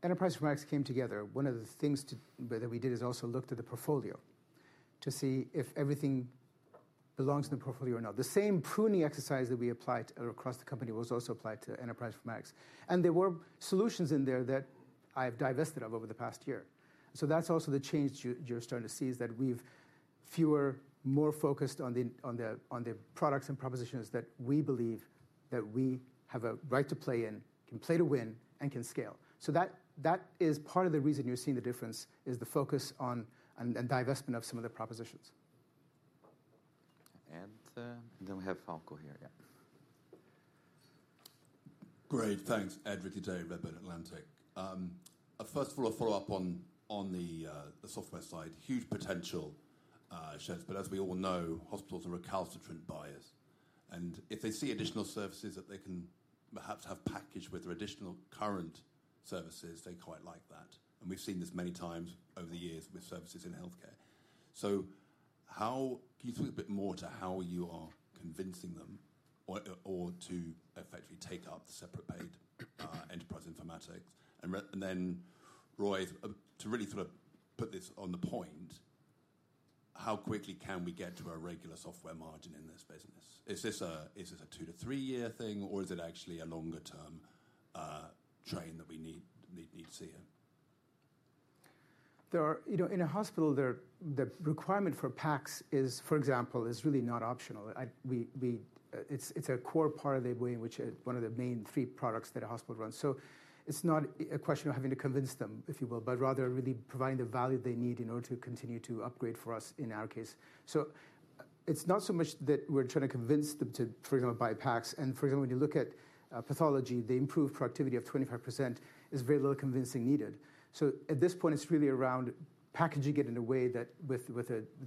Enterprise Informatics came together, one of the things that we did is also looked at the portfolio to see if everything belongs in the portfolio or not. The same pruning exercise that we applied across the company was also applied to Enterprise Informatics, and there were solutions in there that I've divested of over the past year. So that's also the change you're starting to see, is that we've fewer, more focused on the products and propositions that we believe that we have a right to play in, can play to win, and can scale. So that is part of the reason you're seeing the difference, is the focus on and divestment of some of the propositions. Then we have Falko here. Yeah. Great. Thanks. Edward Ridley-Day, Redburn Atlantic. First of all, a follow-up on the software side. Huge potential, shares, but as we all know, hospitals are recalcitrant buyers, and if they see additional services that they can perhaps have packaged with their additional current services, they quite like that, and we've seen this many times over the years with services in healthcare. So how can you talk a bit more to how you are convincing them or to effectively take up the separate paid Enterprise Informatics? And then, Roy, to really sort of put this on the point, how quickly can we get to a regular software margin in this business? Is this a two- to three-year thing, or is it actually a longer-term train that we need to see in? You know, in a hospital, the requirement for PACS is, for example, really not optional. We, it's a core part of the way in which one of the main three products that a hospital runs. So it's not a question of having to convince them, if you will, but rather really providing the value they need in order to continue to upgrade for us, in our case. So it's not so much that we're trying to convince them to, for example, buy PACS, and for example, when you look at pathology, the improved productivity of 25% is very little convincing needed. So at this point, it's really around packaging it in a way that with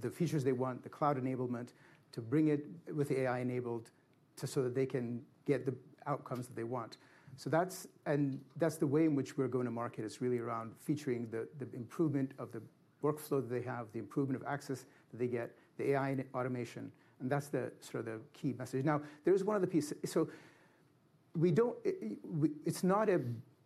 the features they want, the cloud enablement, to bring it with AI enabled, so that they can get the outcomes that they want. So that's. And that's the way in which we're going to market. It's really around featuring the improvement of the workflow that they have, the improvement of access that they get, the AI and automation, and that's the sort of the key message. Now, there is one other piece. So we don't, it's not a.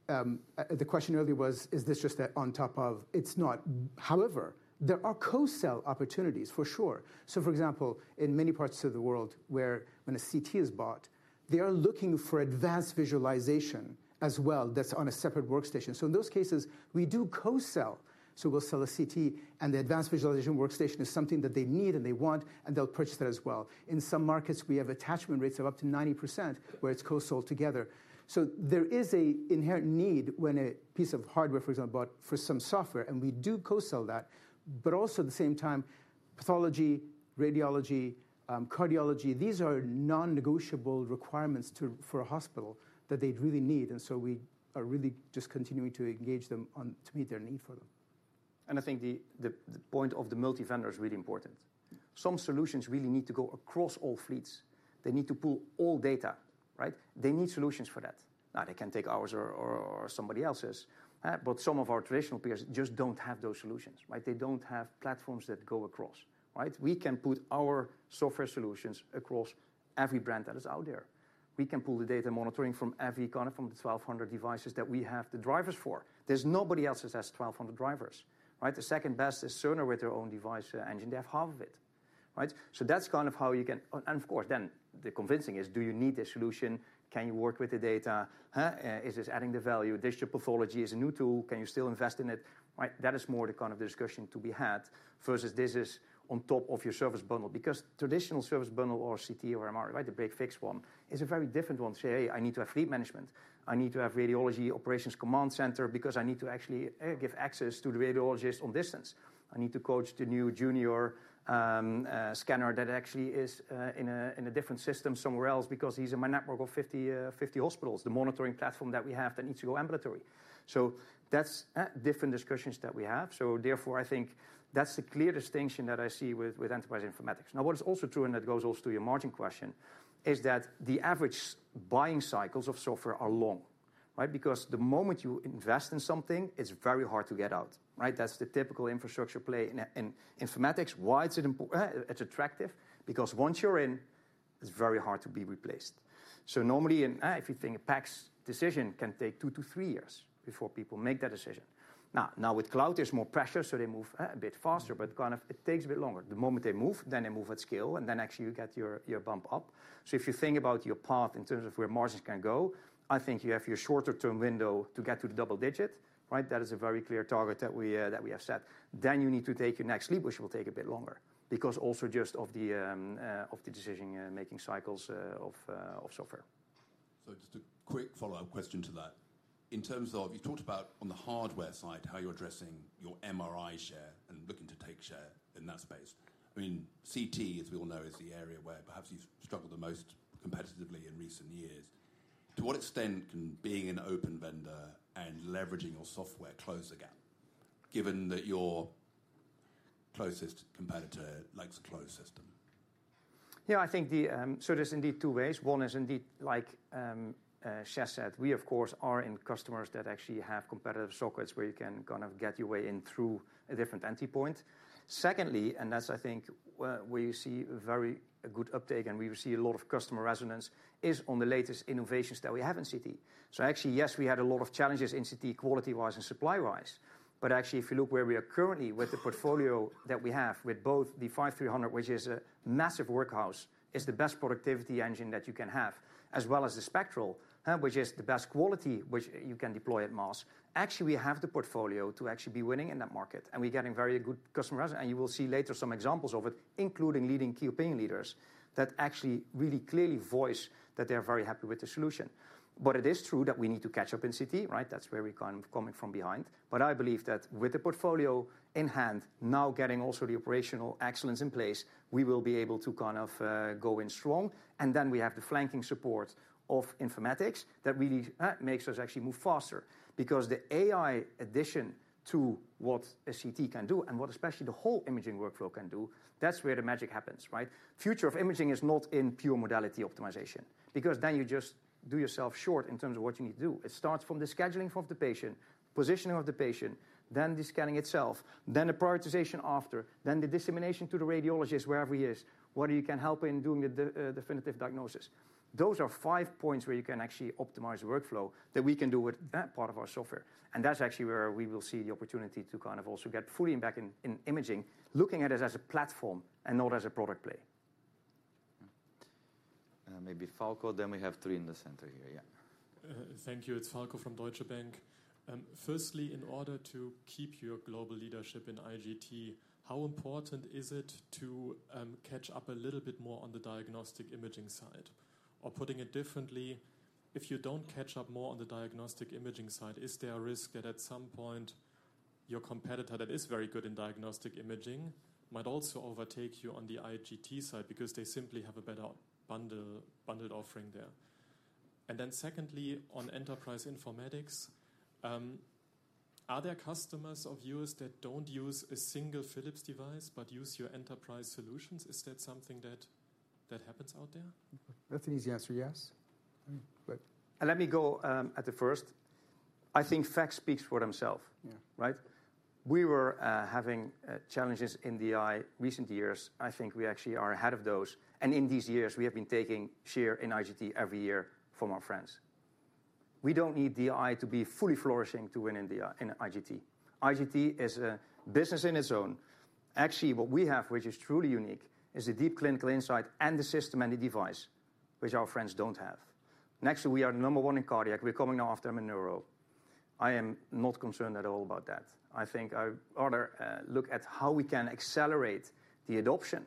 The question earlier was, is this just a on top of? It's not. However, there are co-sell opportunities, for sure. So, for example, in many parts of the world where when a CT is bought, they are looking for advanced visualization as well, that's on a separate workstation. So in those cases, we do co-sell. So we'll sell a CT, and the advanced visualization workstation is something that they need, and they want, and they'll purchase that as well. In some markets, we have attachment rates of up to 90%, where it's co-sold together. So there is an inherent need when a piece of hardware, for example, bought for some software, and we do co-sell that, but also at the same time, pathology, radiology, cardiology, these are non-negotiable requirements to, for a hospital that they'd really need. And so we are really just continuing to engage them on, to meet their need for them. And I think the point of the multi-vendor is really important. Some solutions really need to go across all fleets. They need to pull all data, right? They need solutions for that. Now, they can take ours or somebody else's, but some of our traditional peers just don't have those solutions, right? They don't have platforms that go across, right? We can put our software solutions across every brand that is out there. We can pull the data monitoring from every corner, from the 1,200 devices that we have the drivers for. There's nobody else that has 1,200 drivers, right? The second best is Cerner with their own device engine. They have half of it, right? So that's kind of how you can. And of course, then, the convincing is: Do you need this solution? Can you work with the data? Is this adding the value? Digital pathology is a new tool. Can you still invest in it, right? That is more the kind of discussion to be had, versus this is on top of your service bundle. Because traditional service bundle or CT or MR, right, the break-fix one, is a very different one. Say, "Hey, I need to have fleet management. I need to have Radiology Operations Command Center because I need to actually give access to the radiologists on distance. I need to coach the new junior scanner that actually is in a different system somewhere else because he's in my network of 50 hospitals, the Monitoring platform that we have that needs to go ambulatory." So that's different discussions that we have. So therefore, I think that's the clear distinction that I see with Enterprise Informatics. Now, what is also true, and that goes also to your margin question, is that the average buying cycles of software are long, right? Because the moment you invest in something, it's very hard to get out, right? That's the typical infrastructure play in informatics. Why is it attractive? Because once you're in, it's very hard to be replaced. So normally, and if you think a PACS decision can take two to three years before people make that decision. Now, with cloud, there's more pressure, so they move a bit faster, but kind of it takes a bit longer. The moment they move, then they move at scale, and then actually you get your bump up. So if you think about your path in terms of where margins can go, I think you have your shorter-term window to get to the double-digit. Right? That is a very clear target that we have set. Then you need to take your next leap, which will take a bit longer, because also just of the decision-making cycles of software. Just a quick follow-up question to that. In terms of, you talked about on the hardware side, how you're addressing your MRI share and looking to take share in that space. I mean, CT, as we all know, is the area where perhaps you've struggled the most competitively in recent years. To what extent can being an open vendor and leveraging your software close the gap, given that your closest competitor likes a closed system? Yeah, I think the. So there's indeed two ways. One is indeed, like, Shez said, we of course are in customers that actually have competitive sockets, where you can kind of get your way in through a different entry point. Secondly, and that's, I think, where you see very a good uptake, and we see a lot of customer resonance, is on the latest innovations that we have in CT. So actually, yes, we had a lot of challenges in CT, quality-wise and supply-wise, but actually, if you look where we are currently with the portfolio that we have, with both the CT 5300, which is a massive workhorse, is the best productivity engine that you can have, as well as the Spectral CT, which is the best quality which you can deploy at mass. Actually, we have the portfolio to actually be winning in that market, and we're getting very good customer response, and you will see later some examples of it, including leading key opinion leaders, that actually really clearly voice that they are very happy with the solution. But it is true that we need to catch up in CT, right? That's where we're kind of coming from behind. But I believe that with the portfolio in hand, now getting also the operational excellence in place, we will be able to kind of go in strong, and then we have the flanking support of informatics, that really makes us actually move faster. Because the AI addition to what a CT can do, and what especially the whole imaging workflow can do, that's where the magic happens, right? Future of imaging is not in pure modality optimization, because then you just do yourself short in terms of what you need to do. It starts from the scheduling of the patient, positioning of the patient, then the scanning itself, then the prioritization after, then the dissemination to the radiologist, wherever he is, whether you can help in doing the definitive diagnosis. Those are five points where you can actually optimize the workflow, that we can do with that part of our software, and that's actually where we will see the opportunity to kind of also get fully back in imaging, looking at it as a platform and not as a product play. Maybe Falko, then we have three in the center here. Yeah. Thank you. It's Falko from Deutsche Bank. Firstly, in order to keep your global leadership in IGT, how important is it to catch up a little bit more on the Diagnostic Imagingside? Or putting it differently, if you don't catch up more on the Diagnostic Imaging side, is there a risk that at some point, your competitor, that is very good in Diagnostic Imaging, might also overtake you on the IGT side because they simply have a better bundle, bundled offering there? And then secondly, on enterprise informatics, are there customers of yours that don't use a single Philips device but use your enterprise solutions? Is that something that happens out there? That's an easy answer, yes. But-- Let me go at the first. I think facts speak for themselves. Yeah. Right? We were having challenges in the DI recent years. I think we actually are ahead of those, and in these years, we have been taking share in IGT every year from our friends. We don't need DI to be fully flourishing to win in the In IGT. IGT is a business in its own. Actually, what we have, which is truly unique, is the deep clinical insight and the system and the device, which our friends don't have. Next, we are number one in cardiac. We're coming after them in neuro. I am not concerned at all about that. I think I rather look at how we can accelerate the adoption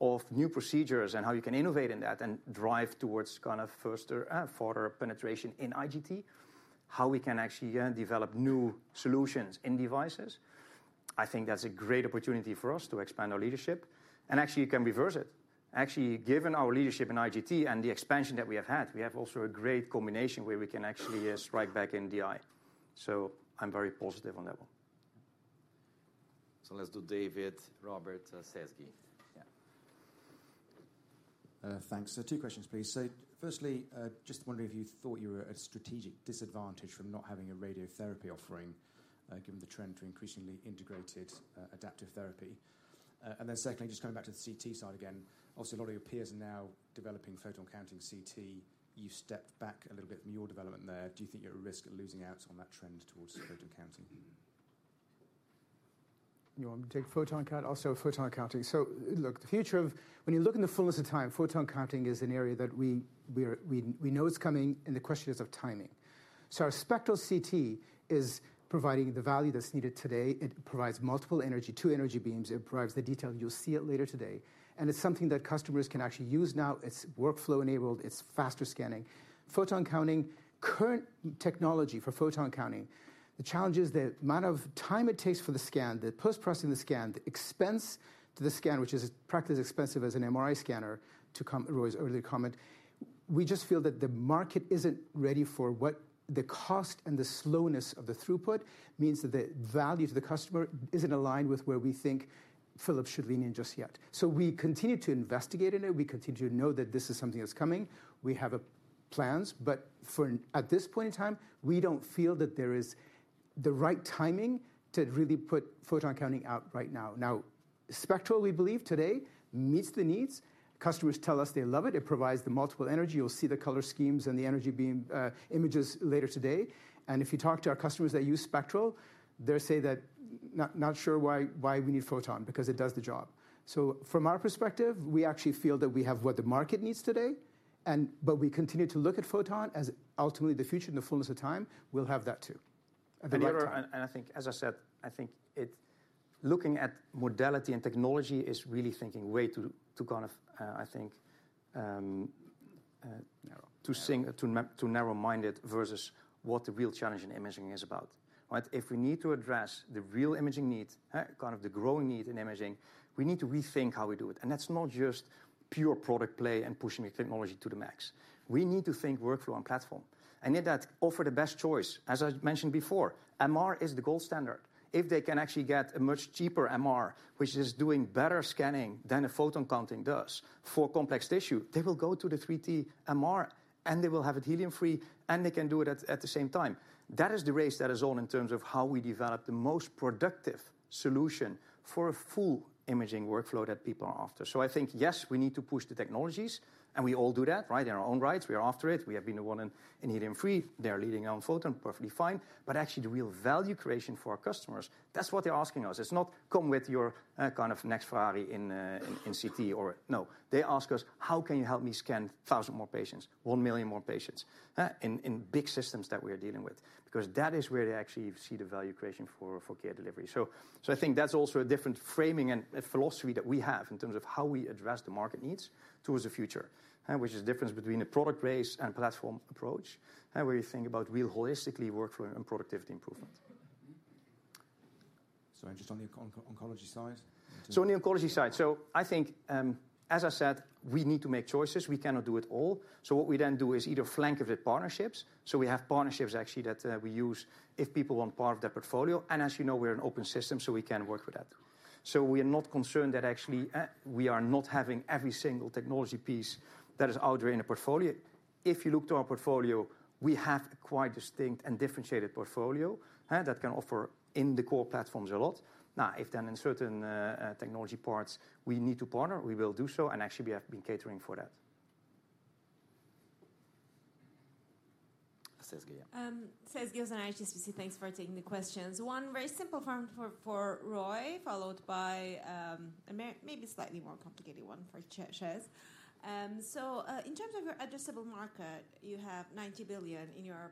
of new procedures, and how you can innovate in that and drive towards kind of faster further penetration in IGT, how we can actually develop new solutions in devices. I think that's a great opportunity for us to expand our leadership, and actually, you can reverse it. Actually, given our leadership in IGT and the expansion that we have had, we have also a great combination where we can actually strike back in DI. So I'm very positive on that one. Let's do David, Robert, Sezgi. Yeah. Thanks. So two questions, please. So firstly, just wondering if you thought you were at a strategic disadvantage from not having a radiotherapy offering, given the trend to increasingly integrated, adaptive therapy? And then secondly, just coming back to the CT side again, also, a lot of your peers are now developing photon counting CT. You stepped back a little bit from your development there. Do you think you're at risk of losing out on that trend towards photon counting? You want me to take photon counting? Also photon counting. So, look, the future of--when you look in the fullness of time, photon counting is an area that we know it's coming, and the question is of timing. So our Spectral CT is providing the value that's needed today. It provides multiple energy, two energy beams. It provides the detail. You'll see it later today, and it's something that customers can actually use now. It's workflow-enabled, it's faster scanning. Photon counting, current technology for photon counting, the challenge is the amount of time it takes for the scan, the post-processing the scan, the expense to the scan, which is practically as expensive as an MRI scanner, to come, Roy's earlier comment. We just feel that the market isn't ready for what the cost and the slowness of the throughput means that the value to the customer isn't aligned with where we think Philips should lean in just yet. So we continue to investigate it, and we continue to know that this is something that's coming. We have plans, but for at this point in time, we don't feel that there is the right timing to really put photon counting out right now. Now, Spectral, we believe today, meets the needs. Customers tell us they love it. It provides the multiple energy. You'll see the color schemes and the energy beam images later today. If you talk to our customers that use Spectral, they say that not sure why we need photon, because it does the job. So from our perspective, we actually feel that we have what the market needs today, but we continue to look at photon as ultimately the future. In the fullness of time, we'll have that, too, at the right time. I think, as I said, I think looking at modality and technology is really thinking way to kind of, I think to narrow-minded versus what the real challenge in imaging is about, right? If we need to address the real imaging needs, kind of the growing need in imaging, we need to rethink how we do it. And that's not just pure product play and pushing the technology to the max. We need to think workflow and platform, and yet that offer the best choice. As I mentioned before, MR is the gold standard. If they can actually get a much cheaper MR, which is doing better scanning than a photon counting does for complex tissue, they will go to the 3T MR, and they will have it helium-free, and they can do it at the same time. That is the race that is on in terms of how we develop the most productive solution for a full imaging workflow that people are after. So I think, yes, we need to push the technologies, and we all do that, right? In our own rights, we are after it. We have been the one in helium-free. They are leading on photon, perfectly fine. But actually, the real value creation for our customers, that's what they're asking us. It's not, "Come with your kind of next Ferrari in CT" or. No. They ask us, "How can you help me scan thousand more patients, one million more patients?" in big systems that we are dealing with, because that is where they actually see the value creation for care delivery. I think that's also a different framing and philosophy that we have in terms of how we address the market needs towards the future, which is the difference between a product-based and platform approach, where you think about real holistically workflow and productivity improvement. So just on the oncology side? So on the oncology side, I think, as I said, we need to make choices. We cannot do it all. So what we then do is either flank of the partnerships. So we have partnerships actually that we use if people want part of their portfolio, and as you know, we're an open system, so we can work with that. So we are not concerned that actually we are not having every single technology piece that is out there in the portfolio. If you look to our portfolio, we have a quite distinct and differentiated portfolio that can offer in the core platforms a lot. Now, if then in certain technology parts we need to partner, we will do so, and actually, we have been catering for that. Sezgi, yeah. Sezgi from HSBC. Thanks for taking the questions. One very simple one for Roy, followed by maybe a slightly more complicated one for Shez. So, in terms of your addressable market, you have 90 billion. In your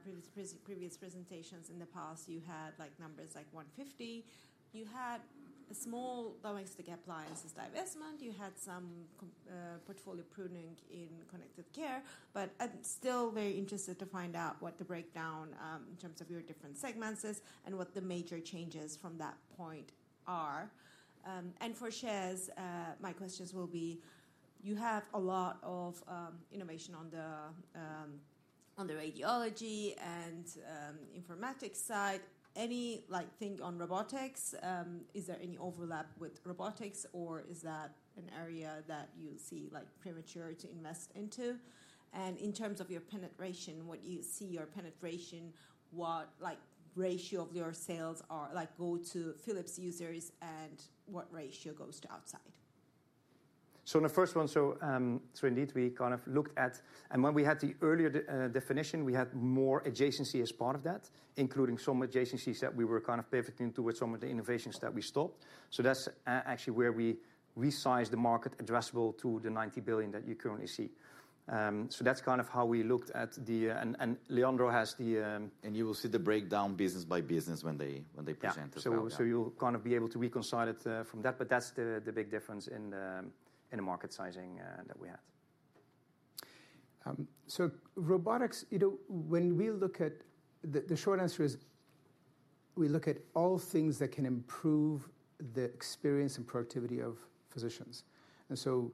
previous presentations in the past, you had, like, numbers like 150 billion. You had a small low-hanging appliances divestment. You had some portfolio pruning in Connected Care. But I'm still very interested to find out what the breakdown in terms of your different segments is and what the major changes from that point are, and for Shez, my questions will be, you have a lot of innovation on the radiology and informatics side. Any, like, thing on robotics? Is there any overlap with robotics, or is that an area that you see, like, premature to invest into? And in terms of your penetration, what you see your penetration like ratio of your sales are, like, go to Philips users, and what ratio goes to outside? In the first one, indeed, we kind of looked at. And when we had the earlier definition, we had more adjacency as part of that, including some adjacencies that we were kind of pivoting towards some of the innovations that we stopped. That's actually where we resized the market addressable to the 90 billion that you currently see. That's kind of how we looked at the. And Leandro has the-- You will see the breakdown business by business when they present as well. Yeah. So you'll kind of be able to reconcile it from that, but that's the big difference in the market sizing that we had. So robotics, you know, when we look at the short answer is, we look at all things that can improve the experience and productivity of physicians. And so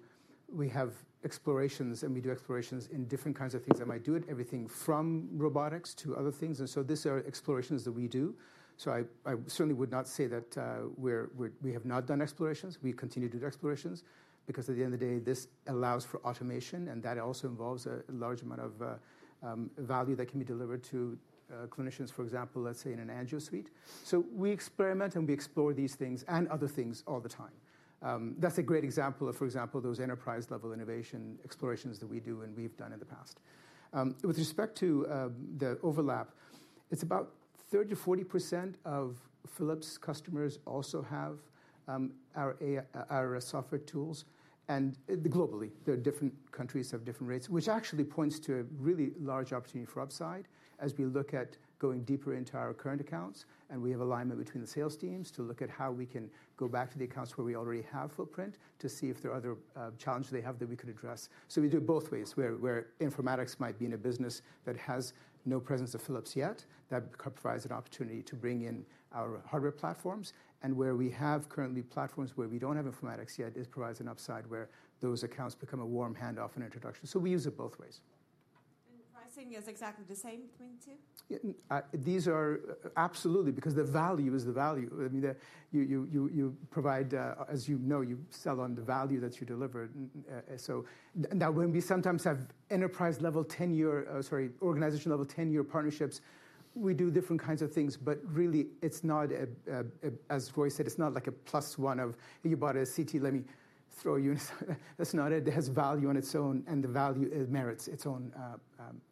we have explorations, and we do explorations in different kinds of things that might do it, everything from robotics to other things, and so these are explorations that we do. So I certainly would not say that, we're we have not done explorations. We continue to do explorations because, at the end of the day, this allows for automation, and that also involves a large amount of value that can be delivered to clinicians, for example, let's say, in an angio suite. So we experiment, and we explore these things and other things all the time. That's a great example of, for example, those enterprise-level innovation explorations that we do and we've done in the past. With respect to the overlap, it's about 30%-40% of Philips customers also have our AI, our software tools, and globally. There are different countries have different rates, which actually points to a really large opportunity for upside as we look at going deeper into our current accounts, and we have alignment between the sales teams to look at how we can go back to the accounts where we already have footprint to see if there are other challenges they have that we could address. So we do it both ways, where informatics might be in a business that has no presence of Philips yet, that provides an opportunity to bring in our hardware platforms. Where we have currently platforms where we don't have informatics yet, it provides an upside where those accounts become a warm handoff and introduction. We use it both ways. The pricing is exactly the same between the two? Yeah, these are. Absolutely, because the value is the value. I mean, the you provide, as you know, you sell on the value that you deliver. Now, when we sometimes have enterprise-level ten-year, sorry, organization-level ten-year partnerships, we do different kinds of things, but really, it's not a, as Roy said, it's not like a plus one of, "You bought a CT, let me-" throw a unit. That's not it. It has value on its own, and the value, it merits its own.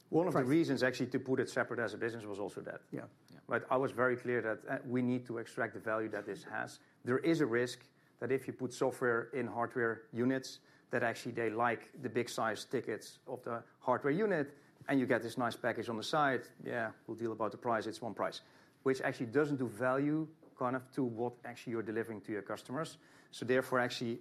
One of the reasons actually, to put it separate as a business was also that. Yeah. But I was very clear that we need to extract the value that this has. There is a risk that if you put software in hardware units, that actually they like the big size tickets of the hardware unit, and you get this nice package on the side. "Yeah, we'll deal about the price, it's one price." Which actually doesn't do value kind of to what actually you're delivering to your customers. So therefore, actually,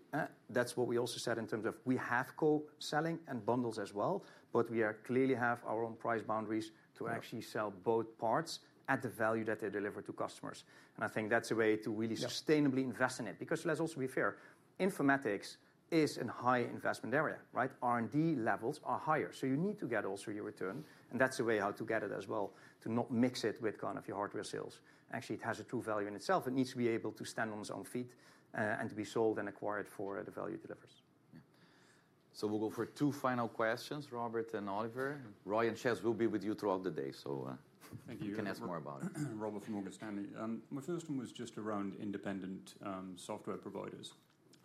that's what we also said in terms of we have co-selling and bundles as well, but we are clearly have our own price boundaries to actually sell both parts at the value that they deliver to customers. And I think that's a way to really sustainably invest in it. Because let's also be fair, informatics is a high investment area, right? R&D levels are higher, so you need to get also your return, and that's the way how to get it as well, to not mix it with kind of your hardware sales. Actually, it has a true value in itself. It needs to be able to stand on its own feet, and to be sold and acquired for the value it delivers. Yeah. So we'll go for two final questions, Robert and Oliver. Roy and Shez will be with you throughout the day, so. Thank you. You can ask more about it. Robert from Morgan Stanley. My first one was just around independent software providers.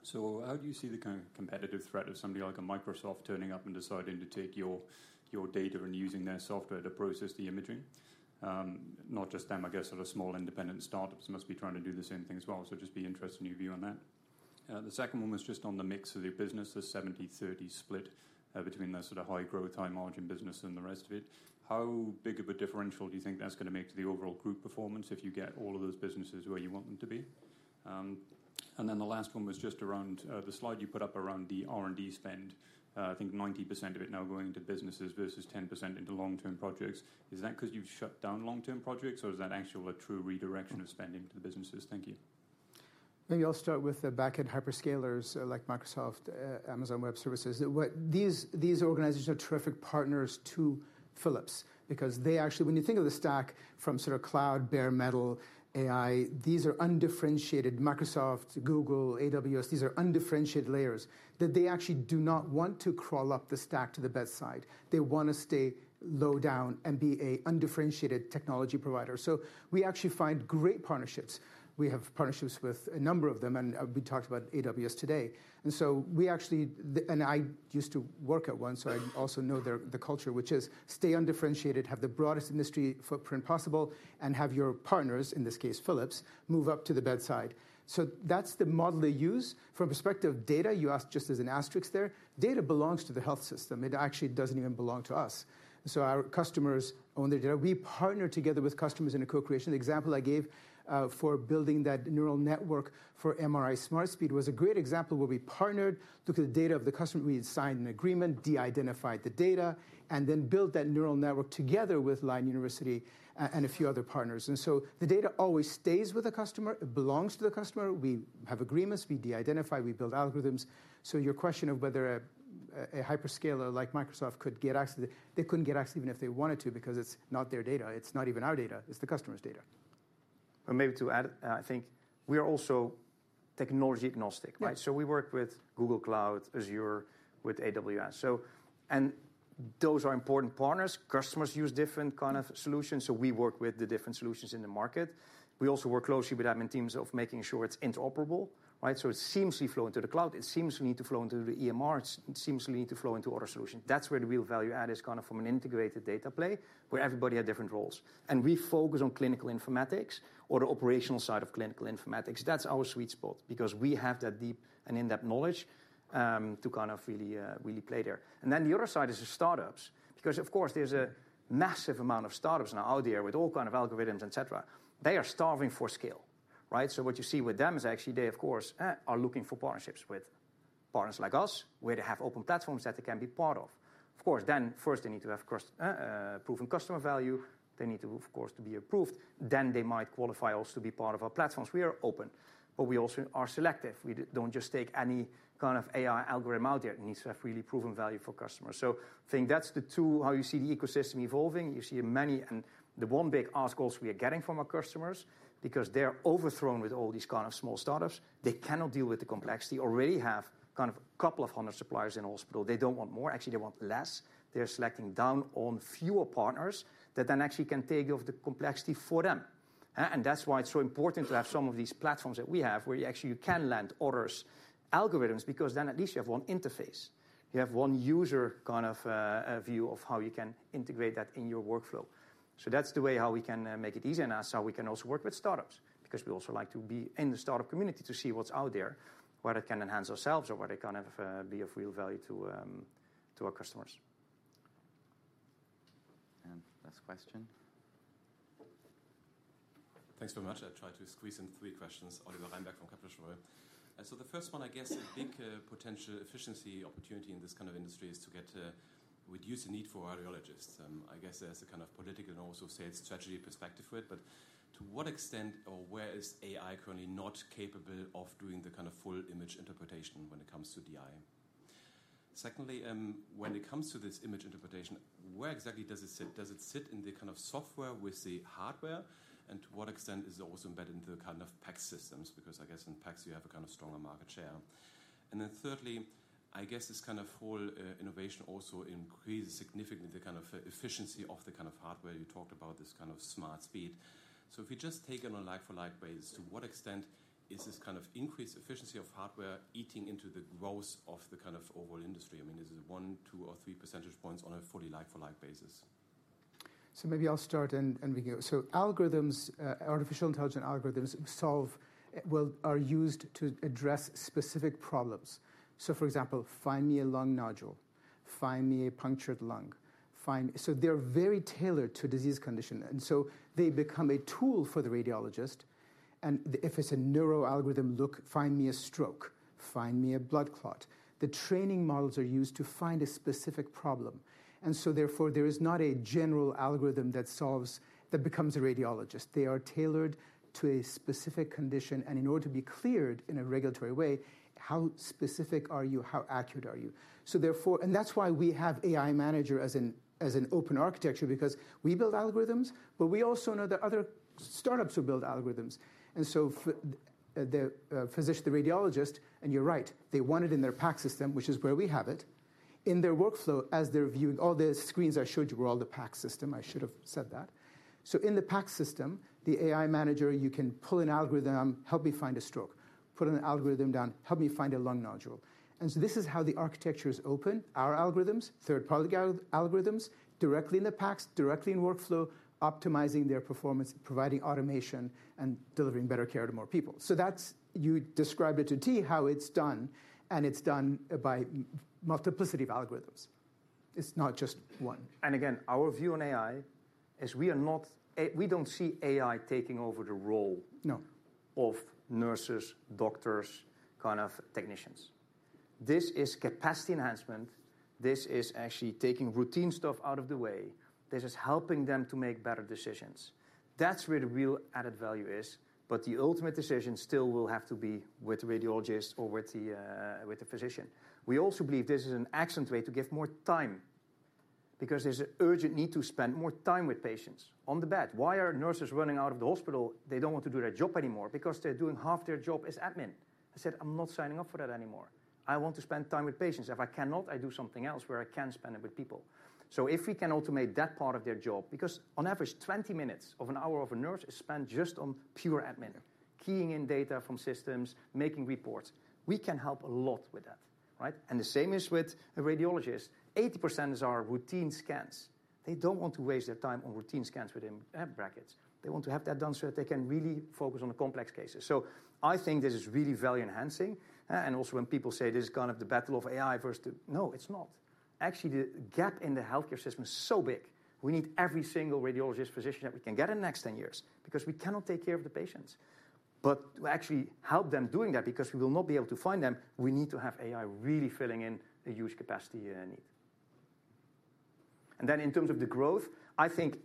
So how do you see the kind of competitive threat of somebody like a Microsoft turning up and deciding to take your, your data and using their software to process the imaging? Not just them, I guess, sort of small independent startups must be trying to do the same thing as well, so just be interested in your view on that. The second one was just on the mix of your business, the 70:30 split, between the sort of high growth, high margin business and the rest of it. How big of a differential do you think that's going to make to the overall group performance if you get all of those businesses where you want them to be? And then the last one was just around the slide you put up around the R&D spend. I think 90% of it now going into businesses versus 10% into long-term projects. Is that 'cause you've shut down long-term projects, or is that actually a true redirection of spending to the businesses? Thank you. Maybe I'll start with the back-end hyperscalers like Microsoft, Amazon Web Services. What these organizations are terrific partners to Philips, because they actually, when you think of the stack from sort of cloud, bare metal, AI, these are undifferentiated. Microsoft, Google, AWS, these are undifferentiated layers, that they actually do not want to crawl up the stack to the bedside. They want to stay low down and be a undifferentiated technology provider. So we actually find great partnerships. We have partnerships with a number of them, and we talked about AWS today. And so we actually and I used to work at one, so I also know their the culture, which is stay undifferentiated, have the broadest industry footprint possible, and have your partners, in this case, Philips, move up to the bedside. So that's the model they use. From perspective of data, you asked just as an asterisk there, data belongs to the health system. It actually doesn't even belong to us. So our customers own their data. We partner together with customers in a co-creation. The example I gave, for building that neural network for MRI SmartSpeed was a great example where we partnered, took the data of the customer, we signed an agreement, de-identified the data, and then built that neural network together with Leiden University and a few other partners. And so the data always stays with the customer, it belongs to the customer. We have agreements, we de-identify, we build algorithms. So your question of whether a, a hyperscaler like Microsoft could get access to. They couldn't get access even if they wanted to, because it's not their data. It's not even our data, it's the customer's data. But maybe to add, I think we are also technology agnostic, right? Yeah. So we work with Google Cloud, Azure, with AWS, so. And those are important partners. Customers use different kind of solutions, so we work with the different solutions in the market. We also work closely with them in terms of making sure it's interoperable, right? So it seamlessly flow into the cloud, it seamlessly to flow into the EMR, it seamlessly need to flow into other solutions. That's where the real value add is kind of from an integrated data play, where everybody had different roles. And we focus on clinical informatics or the operational side of clinical informatics. That's our sweet spot, because we have that deep and in-depth knowledge to kind of really play there. And then the other side is the startups, because of course, there's a massive amount of startups now out there with all kind of algorithms, et cetera. They are starving for scale, right? So what you see with them is actually they, of course, are looking for partnerships with partners like us, where they have open platforms that they can be part of. Of course, then first they need to have, of course, proven customer value. They need to, of course, to be approved, then they might qualify also to be part of our platforms. We are open, but we also are selective. We don't just take any kind of AI algorithm out there. It needs to have really proven value for customers. So I think that's the two, how you see the ecosystem evolving. You see many, and the one big ask also we are getting from our customers, because they're overwhelmed with all these kind of small startups, they cannot deal with the complexity. Already have kind of a couple of hundred suppliers in a hospital. They don't want more, actually, they want less. They're selecting down on fewer partners, that then actually can take off the complexity for them. And that's why it's so important to have some of these platforms that we have, where you actually can land orders, algorithms, because then at least you have one interface. You have one user kind of view of how you can integrate that in your workflow. So that's the way how we can make it easier, and that's how we can also work with startups. Because we also like to be in the startup community to see what's out there, whether it can enhance ourselves or whether it can be of real value to our customers. And last question. Thanks very much. I'll try to squeeze in three questions. Oliver Reinberg from Kepler Cheuvreux. So the first one, I guess, a big potential efficiency opportunity in this kind of industry is to get to reduce the need for radiologists. I guess there's a kind of political and also sales strategy perspective for it, but to what extent or where is AI currently not capable of doing the kind of full image interpretation when it comes to the MRI? Secondly, when it comes to this image interpretation, where exactly does it sit? Does it sit in the kind of software with the hardware? And to what extent is it also embedded into the kind of PACS? Because I guess in PACS you have a kind of stronger market share. And then thirdly, I guess this kind of whole innovation also increases significantly the kind of efficiency of the kind of hardware. You talked about this kind of SmartSpeed. So if you just take it on a like-for-like basis, to what extent is this kind of increased efficiency of hardware eating into the growth of the kind of overall industry? I mean, is it one, two, or three percentage points on a fully like-for-like basis? So maybe I'll start and we go. Algorithms, artificial intelligence algorithms, are used to address specific problems. For example, find me a lung nodule, find me a punctured lung. So they're very tailored to disease condition, and so they become a tool for the radiologist. If it's a neuro algorithm, look, find me a stroke, find me a blood clot. The training models are used to find a specific problem, and so therefore, there is not a general algorithm that becomes a radiologist. They are tailored to a specific condition, and in order to be cleared in a regulatory way, how specific are you? How accurate are you? And that's why we have AI Manager as an open architecture, because we build algorithms, but we also know that other startups who build algorithms. And so the physician, the radiologist, and you're right, they want it in their PACS, which is where we have it. In their workflow, as they're viewing. All the screens I showed you were all the PACS, I should have said that. So in the PACS, the AI Manager, you can pull an algorithm, help me find a stroke. Put an algorithm down, help me find a lung nodule. And so this is how the architecture is open, our algorithms, third-party algorithms, directly in the PACS, directly in workflow, optimizing their performance, providing automation, and delivering better care to more people. So that's, you described it to a T how it's done, and it's done by multiplicity of algorithms. It's not just one. Again, our view on AI is we are not. We don't see AI taking over the role. No. Of nurses, doctors, kind of technicians. This is capacity enhancement. This is actually taking routine stuff out of the way. This is helping them to make better decisions. That's where the real added value is, but the ultimate decision still will have to be with the radiologist or with the physician. We also believe this is an excellent way to give more time, because there's an urgent need to spend more time with patients on the bed. Why are nurses running out of the hospital? They don't want to do their job anymore because they're doing half their job as admin. I said, "I'm not signing up for that anymore. I want to spend time with patients. If I cannot, I do something else where I can spend it with people." So if we can automate that part of their job, because on average, 20 minutes of an hour of a nurse is spent just on pure admin. Keying in data from systems, making reports. We can help a lot with that, right? And the same is with the radiologist. 80% is our routine scans. They don't want to waste their time on routine scans within brackets. They want to have that done so that they can really focus on the complex cases. So I think this is really value enhancing, and also when people say this is kind of the battle of AI versus the. No, it's not. Actually, the gap in the healthcare system is so big. We need every single radiologist, physician that we can get in the next 10 years, because we cannot take care of the patients. But to actually help them doing that, because we will not be able to find them, we need to have AI really filling in the huge capacity need. And then in terms of the growth, I think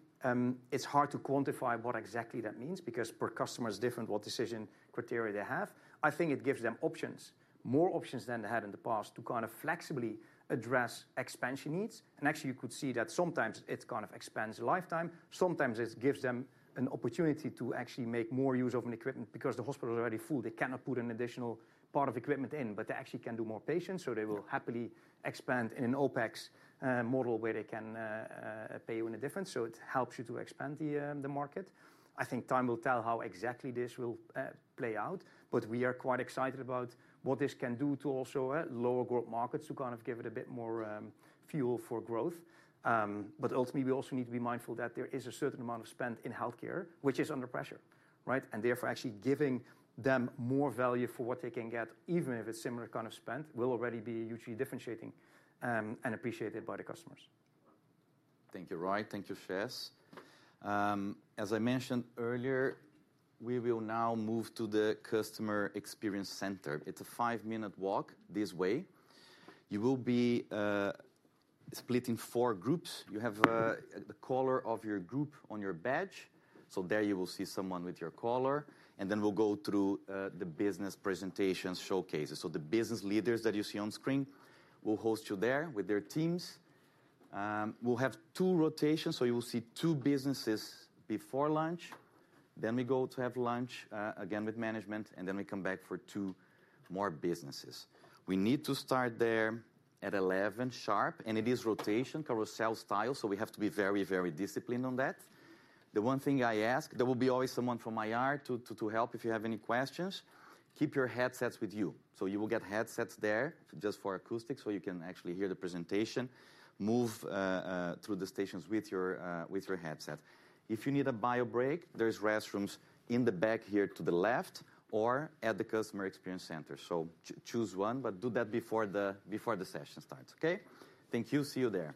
it's hard to quantify what exactly that means, because per customer is different, what decision criteria they have. I think it gives them options, more options than they had in the past, to kind of flexibly address expansion needs. And actually, you could see that sometimes it kind of expands lifetime. Sometimes it gives them an opportunity to actually make more use of an equipment. Because the hospital is already full, they cannot put an additional part of equipment in, but they actually can do more patients, so they will happily expand in an OpEx model, where they can pay you in a difference. So it helps you to expand the market. I think time will tell how exactly this will play out, but we are quite excited about what this can do to also lower growth markets, to kind of give it a bit more fuel for growth. But ultimately, we also need to be mindful that there is a certain amount of spend in healthcare, which is under pressure, right? And therefore, actually giving them more value for what they can get, even if it's similar kind of spend, will already be hugely differentiating and appreciated by the customers. Thank you, Roy. Thank you, Shez. As I mentioned earlier, we will now move to the Customer Experience Center. It's a five-minute walk this way. You will be split in four groups. You have the color of your group on your badge, so there you will see someone with your color, and then we'll go through the business presentations showcases. So the business leaders that you see on screen will host you there with their teams. We'll have two rotations, so you will see two businesses before lunch. Then we go to have lunch again, with management, and then we come back for two more businesses. We need to start there at eleven sharp, and it is rotation carousel style, so we have to be very, very disciplined on that. The one thing I ask, there will be always someone from IR to help if you have any questions. Keep your headsets with you. So you will get headsets there, just for acoustics, so you can actually hear the presentation. Move through the stations with your headset. If you need a bio break, there's restrooms in the back here to the left or at the Customer Experience Center. So choose one, but do that before the session starts, okay? Thank you. See you there.